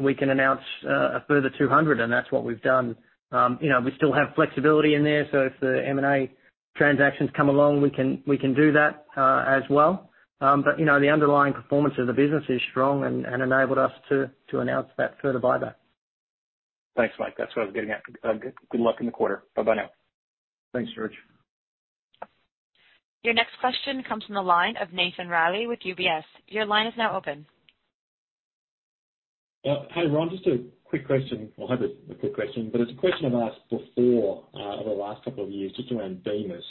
we can announce a further $200, and that's what we've done. You know, we still have flexibility in there, so if the M&A transactions come along, we can do that as well. You know, the underlying performance of the business is strong and enabled us to announce that further buyback. Thanks, Mike. That's what I was getting at. Good luck in the quarter. Bye-bye now. Thanks, George. Your next question comes from the line of Nathan Reilly with UBS. Your line is now open. Hi, Ron. Just a quick question. I hope it's a quick question, but it's a question I've asked before over the last couple of years just around Bemis.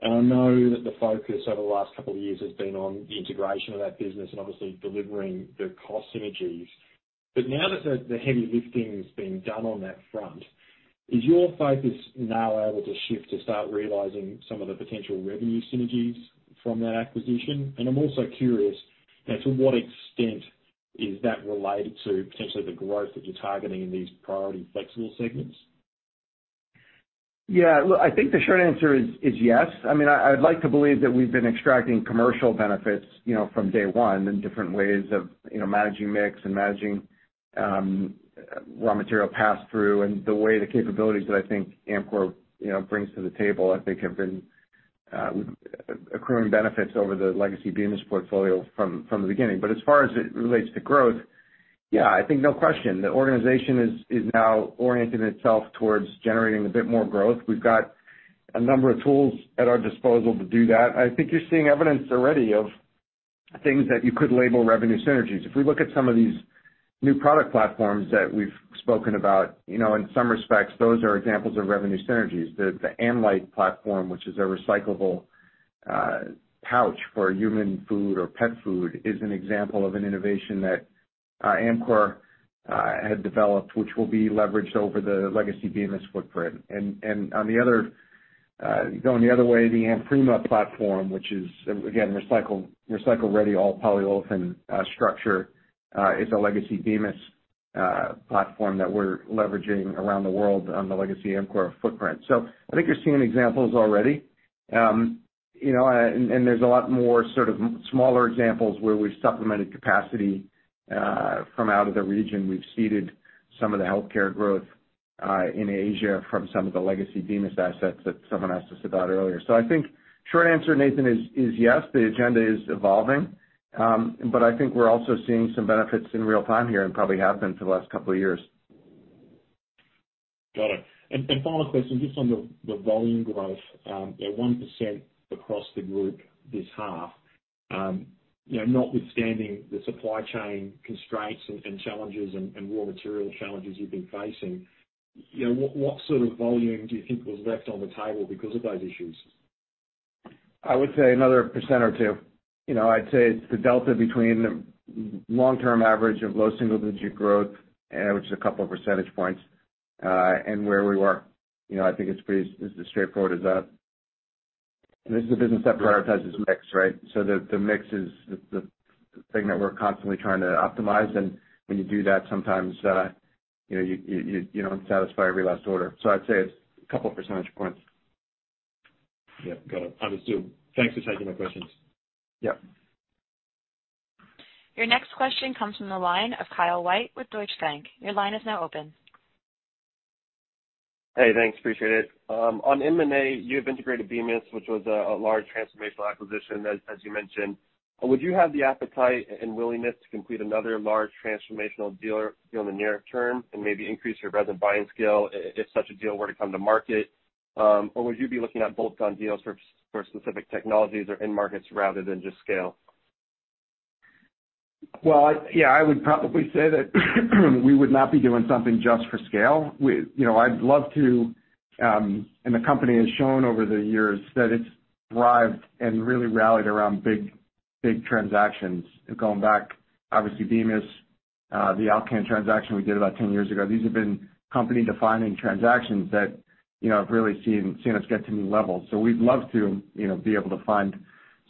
I know that the focus over the last couple of years has been on the integration of that business and obviously delivering the cost synergies. Now that the heavy lifting has been done on that front, is your focus now able to shift to start realizing some of the potential revenue synergies from that acquisition? I'm also curious as to what extent is that related to potentially the growth that you're targeting in these priority flexible segments? Yeah. Look, I think the short answer is yes. I mean, I'd like to believe that we've been extracting commercial benefits, you know, from day one in different ways of, you know, managing mix and managing raw material pass-through. The way the capabilities that I think Amcor, you know, brings to the table, I think, have been accruing benefits over the legacy Bemis portfolio from the beginning. As far as it relates to growth, yeah, I think no question, the organization is now orienting itself towards generating a bit more growth. We've got a number of tools at our disposal to do that. I think you're seeing evidence already of things that you could label revenue synergies. If we look at some of these new product platforms that we've spoken about, you know, in some respects, those are examples of revenue synergies. The AmLite platform, which is a recyclable pouch for human food or pet food, is an example of an innovation that Amcor had developed, which will be leveraged over the legacy Bemis footprint. On the other hand, going the other way, the AmPrima platform, which is again, recycle-ready all-polyolefin structure, is a legacy Bemis platform that we're leveraging around the world on the legacy Amcor footprint. I think you're seeing examples already. You know, there's a lot more sort of smaller examples where we've supplemented capacity from out of the region. We've ceded some of the healthcare growth in Asia from some of the legacy Bemis assets that someone asked us about earlier. I think short answer, Nathan, is yes, the agenda is evolving, but I think we're also seeing some benefits in real time here and probably have been for the last couple of years. Got it. Final question, just on the volume growth at 1% across the group this half. You know, notwithstanding the supply chain constraints and challenges and raw material challenges you've been facing, you know, what sort of volume do you think was left on the table because of those issues? I would say another 1% or 2%. You know, I'd say it's the delta between the long-term average of low single-digit growth, which is a couple of percentage points, and where we were. You know, I think it's pretty as straightforward as that. This is a business that prioritizes mix, right? The mix is the thing that we're constantly trying to optimize. When you do that, sometimes, you know, you don't satisfy every last order. I'd say it's a couple percentage points. Yeah. Got it. Understood. Thanks for taking my questions. Yeah. Your next question comes from the line of Kyle White with Deutsche Bank. Your line is now open. Hey, thanks. Appreciate it. On M&A, you have integrated Bemis, which was a large transformational acquisition as you mentioned. Would you have the appetite and willingness to complete another large transformational deal in the near term and maybe increase your resultant buying scale if such a deal were to come to market? Would you be looking at bolt-on deals for specific technologies or end markets rather than just scale? Well, yeah, I would probably say that we would not be doing something just for scale. You know, I'd love to, and the company has shown over the years that it's thrived and really rallied around big transactions going back, obviously, Bemis, the Alcan transaction we did about 10 years ago. These have been company-defining transactions that, you know, have really seen us get to new levels. We'd love to, you know, be able to find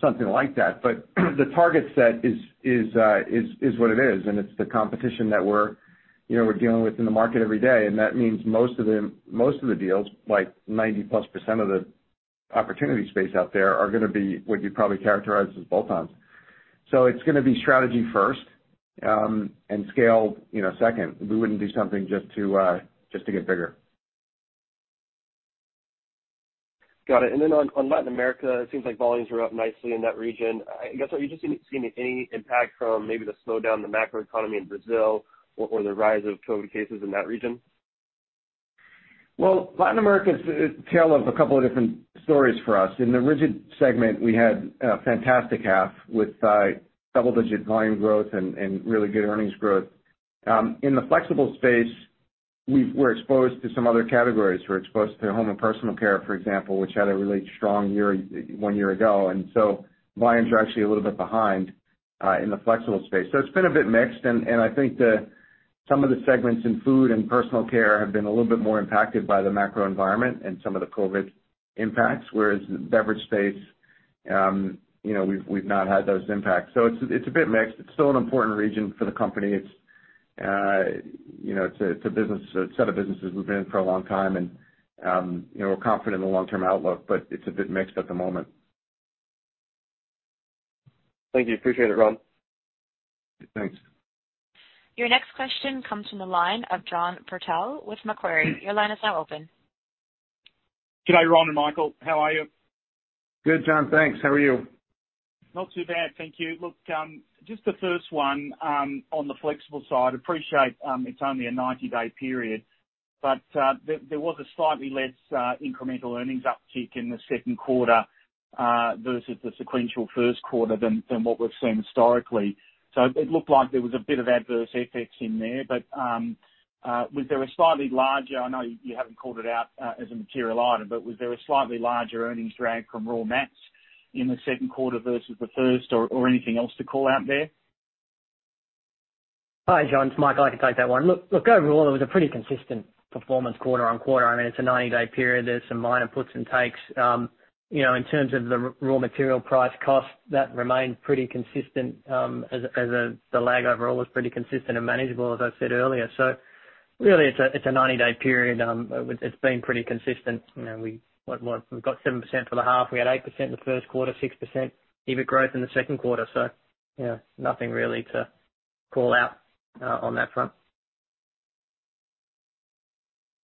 something like that. But the target set is what it is, and it's the competition that we're, you know, we're dealing with in the market every day. That means most of the deals, like 90%+ of the opportunity space out there, are gonna be what you'd probably characterize as bolt-ons. It's gonna be strategy first, and scale, you know, second. We wouldn't do something just to get bigger. Got it. On Latin America, it seems like volumes are up nicely in that region. I guess, are you just seeing any impact from maybe the slowdown in the macro economy in Brazil or the rise of COVID cases in that region? Well, Latin America is a tale of a couple of different stories for us. In the rigid segment, we had a fantastic half with double-digit volume growth and really good earnings growth. In the flexible space, we're exposed to some other categories. We're exposed to home and personal care, for example, which had a really strong year one year ago. Volumes are actually a little bit behind in the flexible space. It's been a bit mixed. I think some of the segments in food and personal care have been a little bit more impacted by the macro environment and some of the COVID impacts, whereas beverage space, you know, we've not had those impacts. It's a bit mixed. It's still an important region for the company. It's, you know, it's a business, a set of businesses we've been in for a long time and, you know, we're confident in the long-term outlook, but it's a bit mixed at the moment. Thank you. Appreciate it, Ron. Thanks. Your next question comes from the line of John Purtell with Macquarie. Your line is now open. Good day, Ron and Michael, how are you? Good, John. Thanks. How are you? Not too bad, thank you. Look, just the first one, on the flexible side, I appreciate it's only a 90-day period, but there was a slightly less incremental earnings uptick in the second quarter versus the sequential first quarter than what we've seen historically. It looked like there was a bit of adverse effects in there. I know you haven't called it out as a material item, was there a slightly larger earnings drag from raw materials in the second quarter versus the first or anything else to call out there? Hi, John, it's Mike. I can take that one. Look, overall, it was a pretty consistent quarter-on-quarter performance. I mean, it's a 90-day period. There's some minor puts and takes. You know, in terms of the raw material price cost, that remained pretty consistent, as the lag overall was pretty consistent and manageable, as I said earlier. Really it's a 90-day period. It's been pretty consistent. You know, we've got 7% for the half. We had 8% the first quarter, 6% EBIT growth in the second quarter. So yeah, nothing really to call out on that front.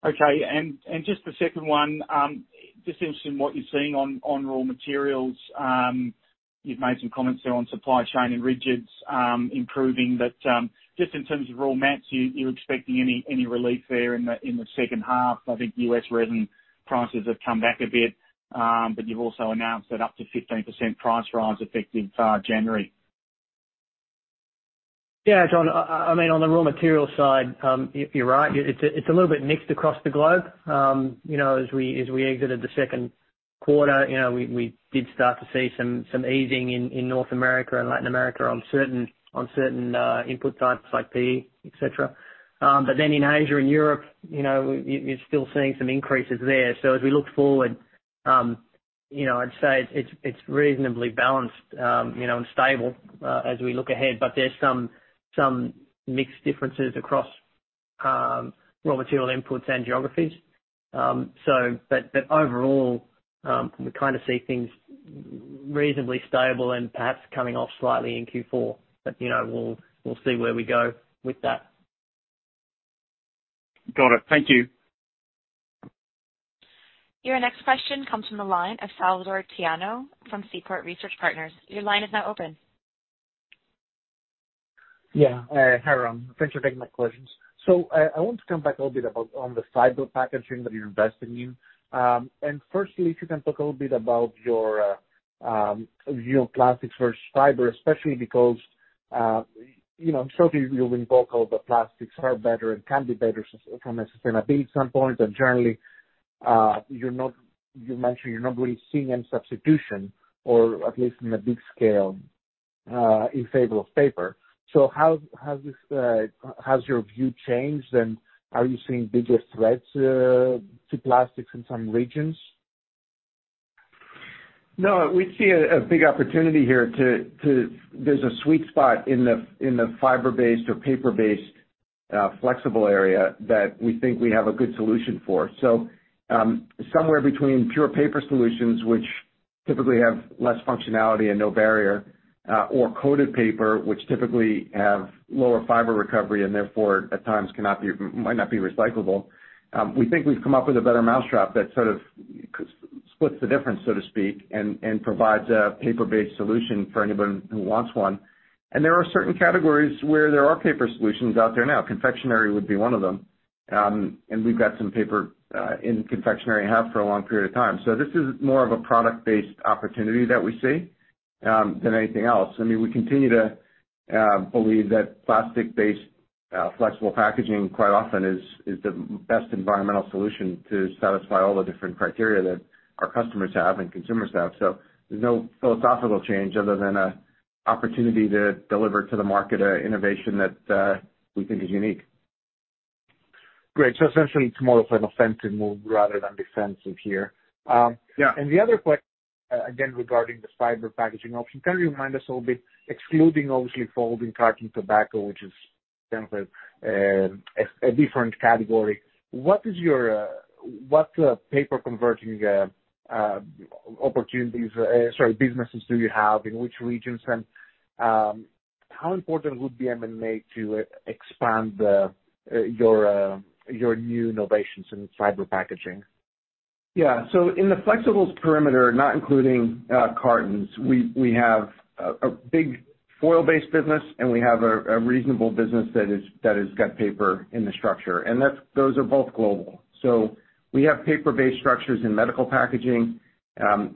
Okay. Just the second one, just interested in what you're seeing on raw materials. You've made some comments there on supply chain and rigids improving. Just in terms of raw mats, are you expecting any relief there in the second half? I think U.S. resin prices have come back a bit, but you've also announced that up to 15% price rise effective January. Yeah. John, I mean, on the raw material side, you're right. It's a little bit mixed across the globe. You know, as we exited the second quarter, we did start to see some easing in North America and Latin America on certain input types like PE, et cetera. In Asia and Europe, you're still seeing some increases there. As we look forward, I'd say it's reasonably balanced and stable as we look ahead. There's some mixed differences across raw material inputs and geographies. Overall, we kind of see things reasonably stable and perhaps coming off slightly in Q4. We'll see where we go with that. Got it. Thank you. Your next question comes from the line of Salvatore Tiano. Your line is now open. Yeah. Hi, Ron. Thanks for taking my questions. I want to come back a little bit about on the fiber packaging that you're investing in. First, if you can talk a little bit about your view of plastics versus fiber, especially because you know, I'm sure you'll invoke how the plastics are better and can be better sustainable from a sustainability standpoint. Generally, you're not—you mentioned you're not really seeing any substitution, or at least in a big scale, in favor of paper. How is this, how's your view changed, and are you seeing bigger threats to plastics in some regions? No, we see a big opportunity here. There's a sweet spot in the fiber-based or paper-based flexible area that we think we have a good solution for. Somewhere between pure paper solutions, which typically have less functionality and no barrier, or coated paper, which typically have lower fiber recovery and therefore at times cannot be or might not be recyclable. We think we've come up with a better mousetrap that sort of splits the difference, so to speak, and provides a paper-based solution for anyone who wants one. There are certain categories where there are paper solutions out there now. Confectionery would be one of them. We've got some paper in confectionery for a long period of time. This is more of a product-based opportunity that we see than anything else. I mean, we continue to believe that plastic-based flexible packaging quite often is the best environmental solution to satisfy all the different criteria that our customers have and consumers have. There's no philosophical change other than a opportunity to deliver to the market an innovation that we think is unique. Great. Essentially it's more of an offensive move rather than defensive here. Yeah. Again, regarding this fiber packaging option, can you remind us a little bit, excluding obviously folding carton tobacco, which is kind of a different category, what paper converting businesses do you have in which regions? How important would M&A be to expand your new innovations in fiber packaging? Yeah. In the flexibles perimeter, not including cartons, we have a big foil-based business, and we have a reasonable business that has got paper in the structure, and those are both global. We have paper-based structures in medical packaging.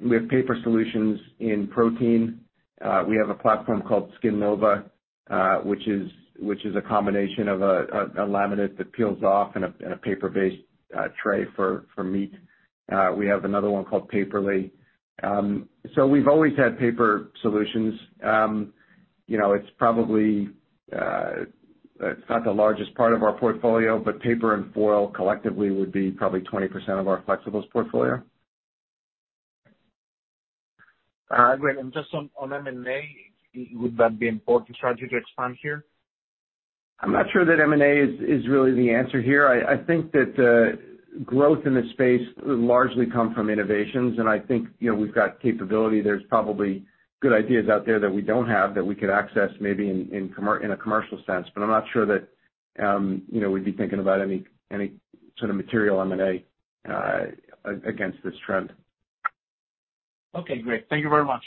We have paper solutions in protein. We have a platform called SkinNova, which is a combination of a laminate that peels off and a paper-based tray for meat. We have another one called Paperly. We've always had paper solutions. You know, it's probably not the largest part of our portfolio, but paper and foil collectively would be probably 20% of our flexibles portfolio. Great. Just on M&A, would that be an important strategy to expand here? I'm not sure that M&A is really the answer here. I think that growth in this space will largely come from innovations, and I think, you know, we've got capability. There's probably good ideas out there that we don't have that we could access maybe in a commercial sense, but I'm not sure that, you know, we'd be thinking about any sort of material M&A against this trend. Okay, great. Thank you very much.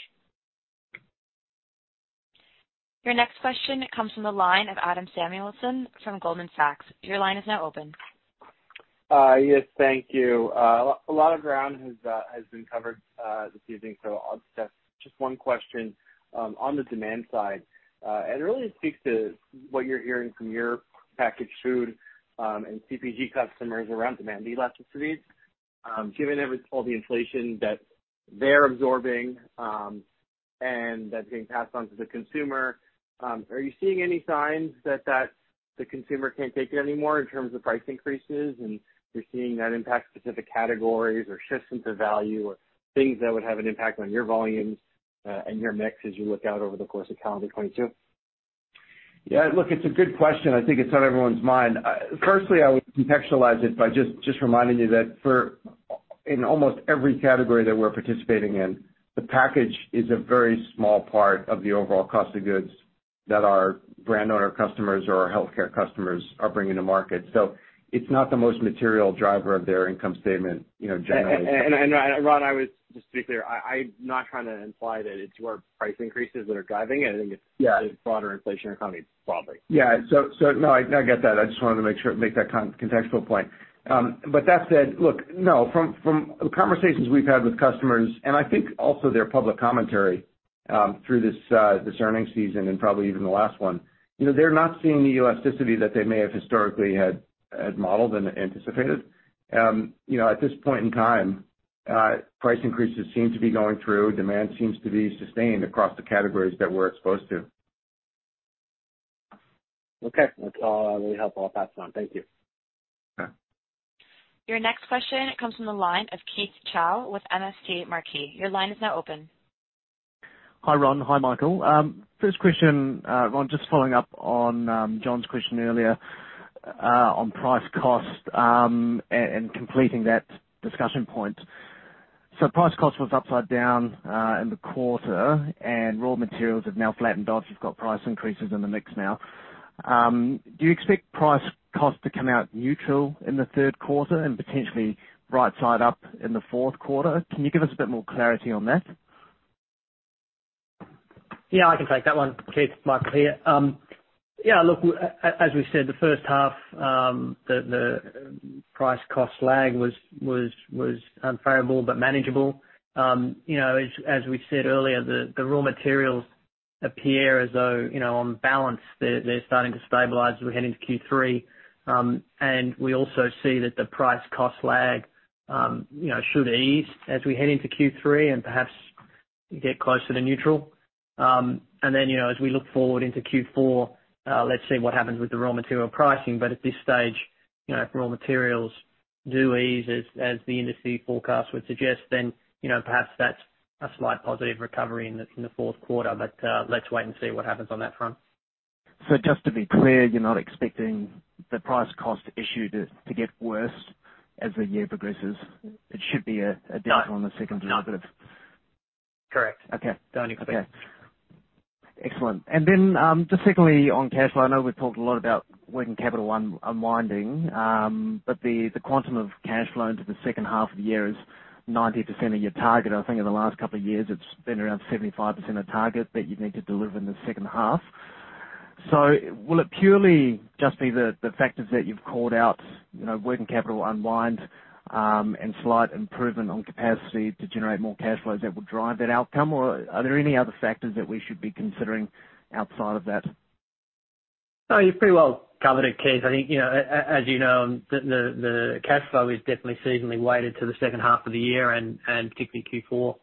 Your next question comes from the line of Adam Samuelson from Goldman Sachs. Your line is now open. Yes, thank you. A lot of ground has been covered this evening, so I'll just ask one question on the demand side. Really it speaks to what you're hearing from your packaged food and CPG customers around demand elasticity. Given all the inflation that they're absorbing and that's being passed on to the consumer, are you seeing any signs that the consumer can't take it anymore in terms of price increases, and you're seeing that impact specific categories or shifts into value or things that would have an impact on your volumes and your mix as you look out over the course of calendar 2022? Yeah, look, it's a good question. I think it's on everyone's mind. Firstly, I would contextualize it by just reminding you that in almost every category that we're participating in, the package is a very small part of the overall cost of goods that our brand owner customers or our healthcare customers are bringing to market. It's not the most material driver of their income statement, you know, generally. Ron, just to be clear, I'm not trying to imply that it's your price increases that are driving it. I think it's- Yeah. The broader inflationary economy probably. Yeah. So no, I get that. I just wanted to make sure to make that contextual point. But that said, look, no, from conversations we've had with customers, and I think also their public commentary. Through this earnings season and probably even the last one. You know, they're not seeing the elasticity that they may have historically had modeled and anticipated. You know, at this point in time, price increases seem to be going through. Demand seems to be sustained across the categories that we're exposed to. Okay. That's all I really have. I'll pass it on. Thank you. Okay. Your next question comes from the line of Keith Chau with MST Marquee. Your line is now open. Hi, Ron. Hi, Michael. First question, Ron, just following up on John's question earlier, on price cost, and completing that discussion point. Price cost was upside down in the quarter, and raw materials have now flattened off. You've got price increases in the mix now. Do you expect price cost to come out neutral in the third quarter and potentially right side up in the fourth quarter? Can you give us a bit more clarity on that? Yeah, I can take that one, Keith. Mike here. Yeah, look, as we said, the first half, the price cost lag was unfavorable but manageable. You know, as we said earlier, the raw materials appear as though, you know, on balance they're starting to stabilize as we head into Q3. We also see that the price cost lag, you know, should ease as we head into Q3 and perhaps get closer to neutral. You know, as we look forward into Q4, let's see what happens with the raw material pricing. At this stage, you know, if raw materials do ease as the industry forecast would suggest, then, you know, perhaps that's a slight positive recovery in the fourth quarter. Let's wait and see what happens on that front. Just to be clear, you're not expecting the price-cost issue to get worse as the year progresses. It should be a decline in the second half. No. Correct. Okay. The only thing. Okay. Excellent. Just secondly on cash flow, I know we've talked a lot about working capital unwinding, but the quantum of cash flow into the second half of the year is 90% of your target. I think in the last couple of years it's been around 75% of target that you'd need to deliver in the second half. Will it purely just be the factors that you've called out, you know, working capital unwind, and slight improvement on capacity to generate more cash flows that would drive that outcome? Or are there any other factors that we should be considering outside of that? No, you've pretty well covered it, Keith. I think, you know, as you know, the cash flow is definitely seasonally weighted to the second half of the year and particularly Q4.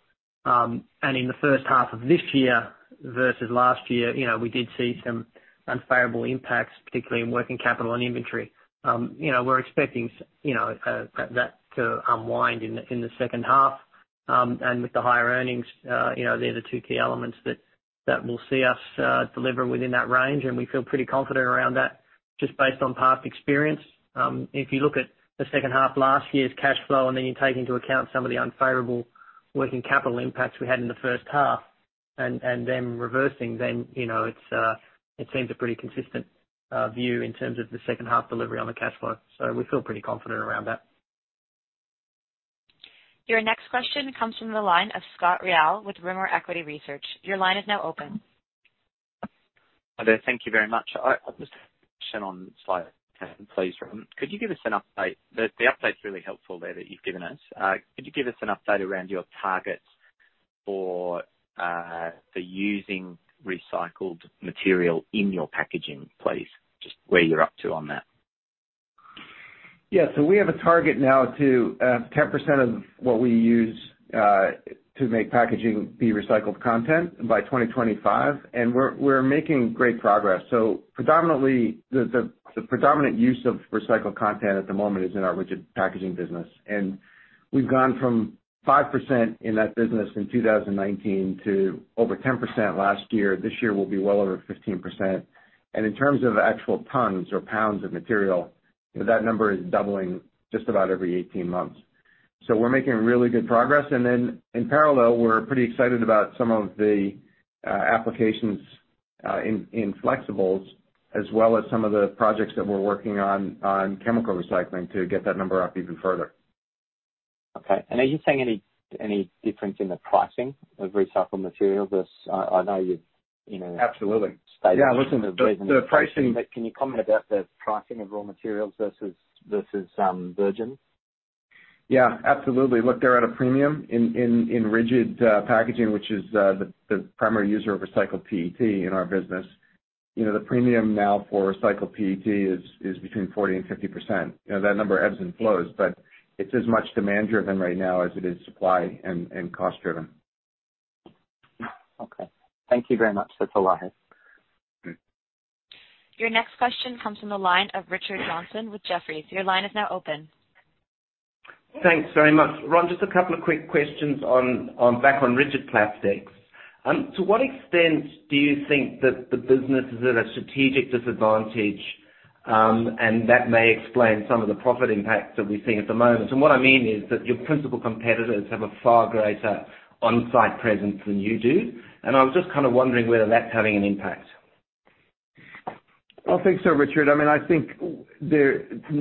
In the first half of this year versus last year, you know, we did see some unfavorable impacts, particularly in working capital and inventory. You know, we're expecting that to unwind in the second half. With the higher earnings, you know, they're the two key elements that will see us deliver within that range, and we feel pretty confident around that just based on past experience. If you look at the second half last year's cash flow, and then you take into account some of the unfavorable working capital impacts we had in the first half and then reversing, you know, it seems a pretty consistent view in terms of the second half delivery on the cash flow. We feel pretty confident around that. Your next question comes from the line of Scott Ryall with Rimor Equity Research. Your line is now open. Hi there. Thank you very much. I just have a question on slide 10, please, Ron. Could you give us an update? The update's really helpful there that you've given us. Could you give us an update around your targets for the using recycled material in your packaging, please? Just where you're up to on that. Yeah. We have a target now to 10% of what we use to make packaging be recycled content by 2025, and we're making great progress. Predominantly, the predominant use of recycled content at the moment is in our rigid packaging business. We've gone from 5% in that business in 2019 to over 10% last year. This year will be well over 15%. In terms of actual tons or pounds of material, that number is doubling just about every 18 months. We're making really good progress. Then in parallel, we're pretty excited about some of the applications in flexibles as well as some of the projects that we're working on chemical recycling to get that number up even further. Okay. Are you seeing any difference in the pricing of recycled material versus I know you've you know. Absolutely. stated recently. Yeah. Listen, the pricing. Can you comment about the pricing of raw materials versus virgin? Yeah, absolutely. Look, they're at a premium in rigid packaging, which is the primary user of recycled PET in our business. You know, the premium now for recycled PET is between 40% and 50%. You know, that number ebbs and flows, but it's as much demand driven right now as it is supply and cost driven. Okay. Thank you very much. That's all I have. Mm-hmm. Your next question comes from the line of Richard Johnson with Jefferies. Your line is now open. Thanks very much. Ron, just a couple of quick questions back on rigid plastics. To what extent do you think that the business is at a strategic disadvantage, and that may explain some of the profit impacts that we're seeing at the moment? What I mean is that your principal competitors have a far greater on-site presence than you do, and I was just kind of wondering whether that's having an impact. I don't think so, Richard. I mean, I think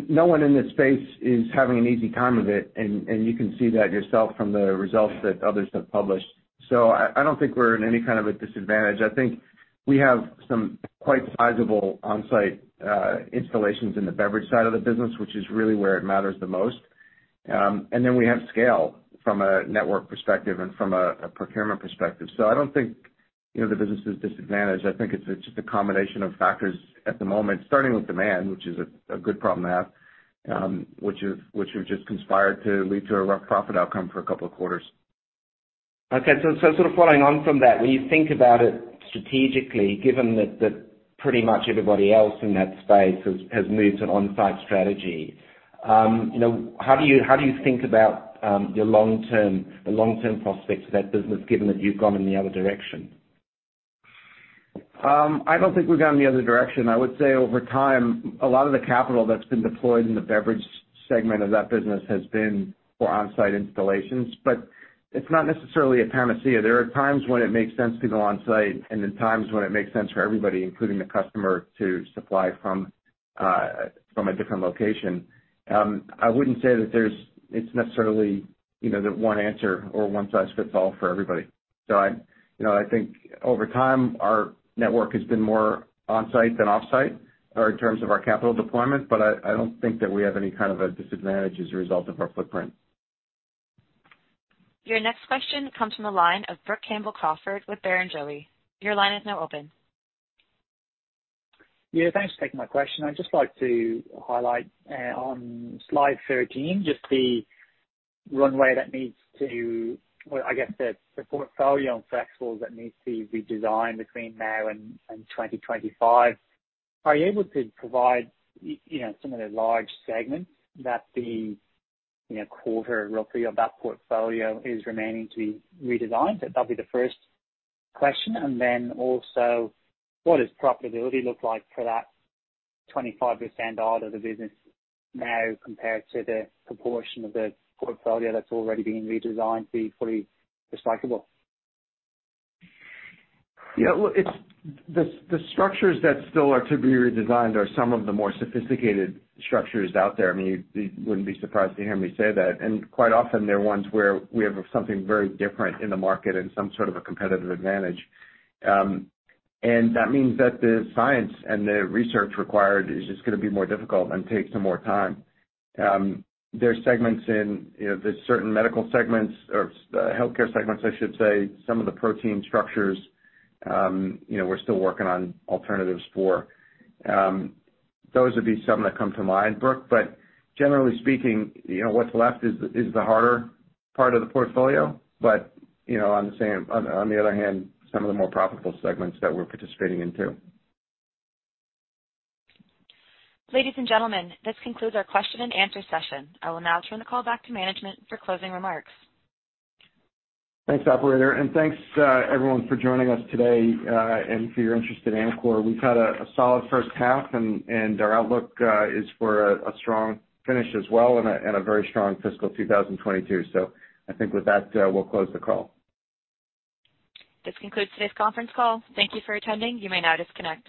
no one in this space is having an easy time of it, and you can see that yourself from the results that others have published. I don't think we're in any kind of a disadvantage. I think we have some quite sizable on-site installations in the beverage side of the business, which is really where it matters the most. We have scale from a network perspective and from a procurement perspective. I don't think the business is disadvantaged. I think it's just a combination of factors at the moment, starting with demand, which is a good problem to have, which we've just conspired to lead to a rough profit outcome for a couple of quarters. Okay. Sort of following on from that, when you think about it strategically, given that pretty much everybody else in that space has moved to an on-site strategy, you know, how do you think about your long-term prospects of that business given that you've gone in the other direction? I don't think we've gone in the other direction. I would say over time, a lot of the capital that's been deployed in the beverage segment of that business has been for on-site installations. It's not necessarily a panacea. There are times when it makes sense to go on-site, and then times when it makes sense for everybody, including the customer, to supply from a different location. I wouldn't say that there's necessarily, you know, the one answer or one size fits all for everybody. You know, I think over time, our network has been more on-site than off-site or in terms of our capital deployment, but I don't think that we have any kind of a disadvantage as a result of our footprint. Your next question comes from the line of Brook Campbell-Crawford with Barrenjoey. Your line is now open. Yeah, thanks for taking my question. I'd just like to highlight on slide 13, well, I guess, the portfolio on flexible that needs to be redesigned between now and 2025. Are you able to provide, you know, some of the large segments that the, you know, quarter roughly of that portfolio is remaining to be redesigned? That'll be the first question. Then also, what does profitability look like for that 25% odd of the business now compared to the proportion of the portfolio that's already been redesigned to be fully recyclable? The structures that still are to be redesigned are some of the more sophisticated structures out there. I mean, you wouldn't be surprised to hear me say that. Quite often they're ones where we have something very different in the market and some sort of a competitive advantage. That means that the science and the research required is just gonna be more difficult and take some more time. There are segments in certain medical segments or healthcare segments, I should say, some of the protein structures, you know, we're still working on alternatives for. Those would be some that come to mind, Brooke. Generally speaking, you know, what's left is the harder part of the portfolio, but you know, on the other hand, some of the more profitable segments that we're participating in too. Ladies and gentlemen, this concludes our question and answer session. I will now turn the call back to management for closing remarks. Thanks, operator. Thanks, everyone for joining us today, and for your interest in Amcor. We've had a solid first half and our outlook is for a strong finish as well and a very strong fiscal 2022. I think with that, we'll close the call. This concludes today's conference call. Thank you for attending. You may now disconnect.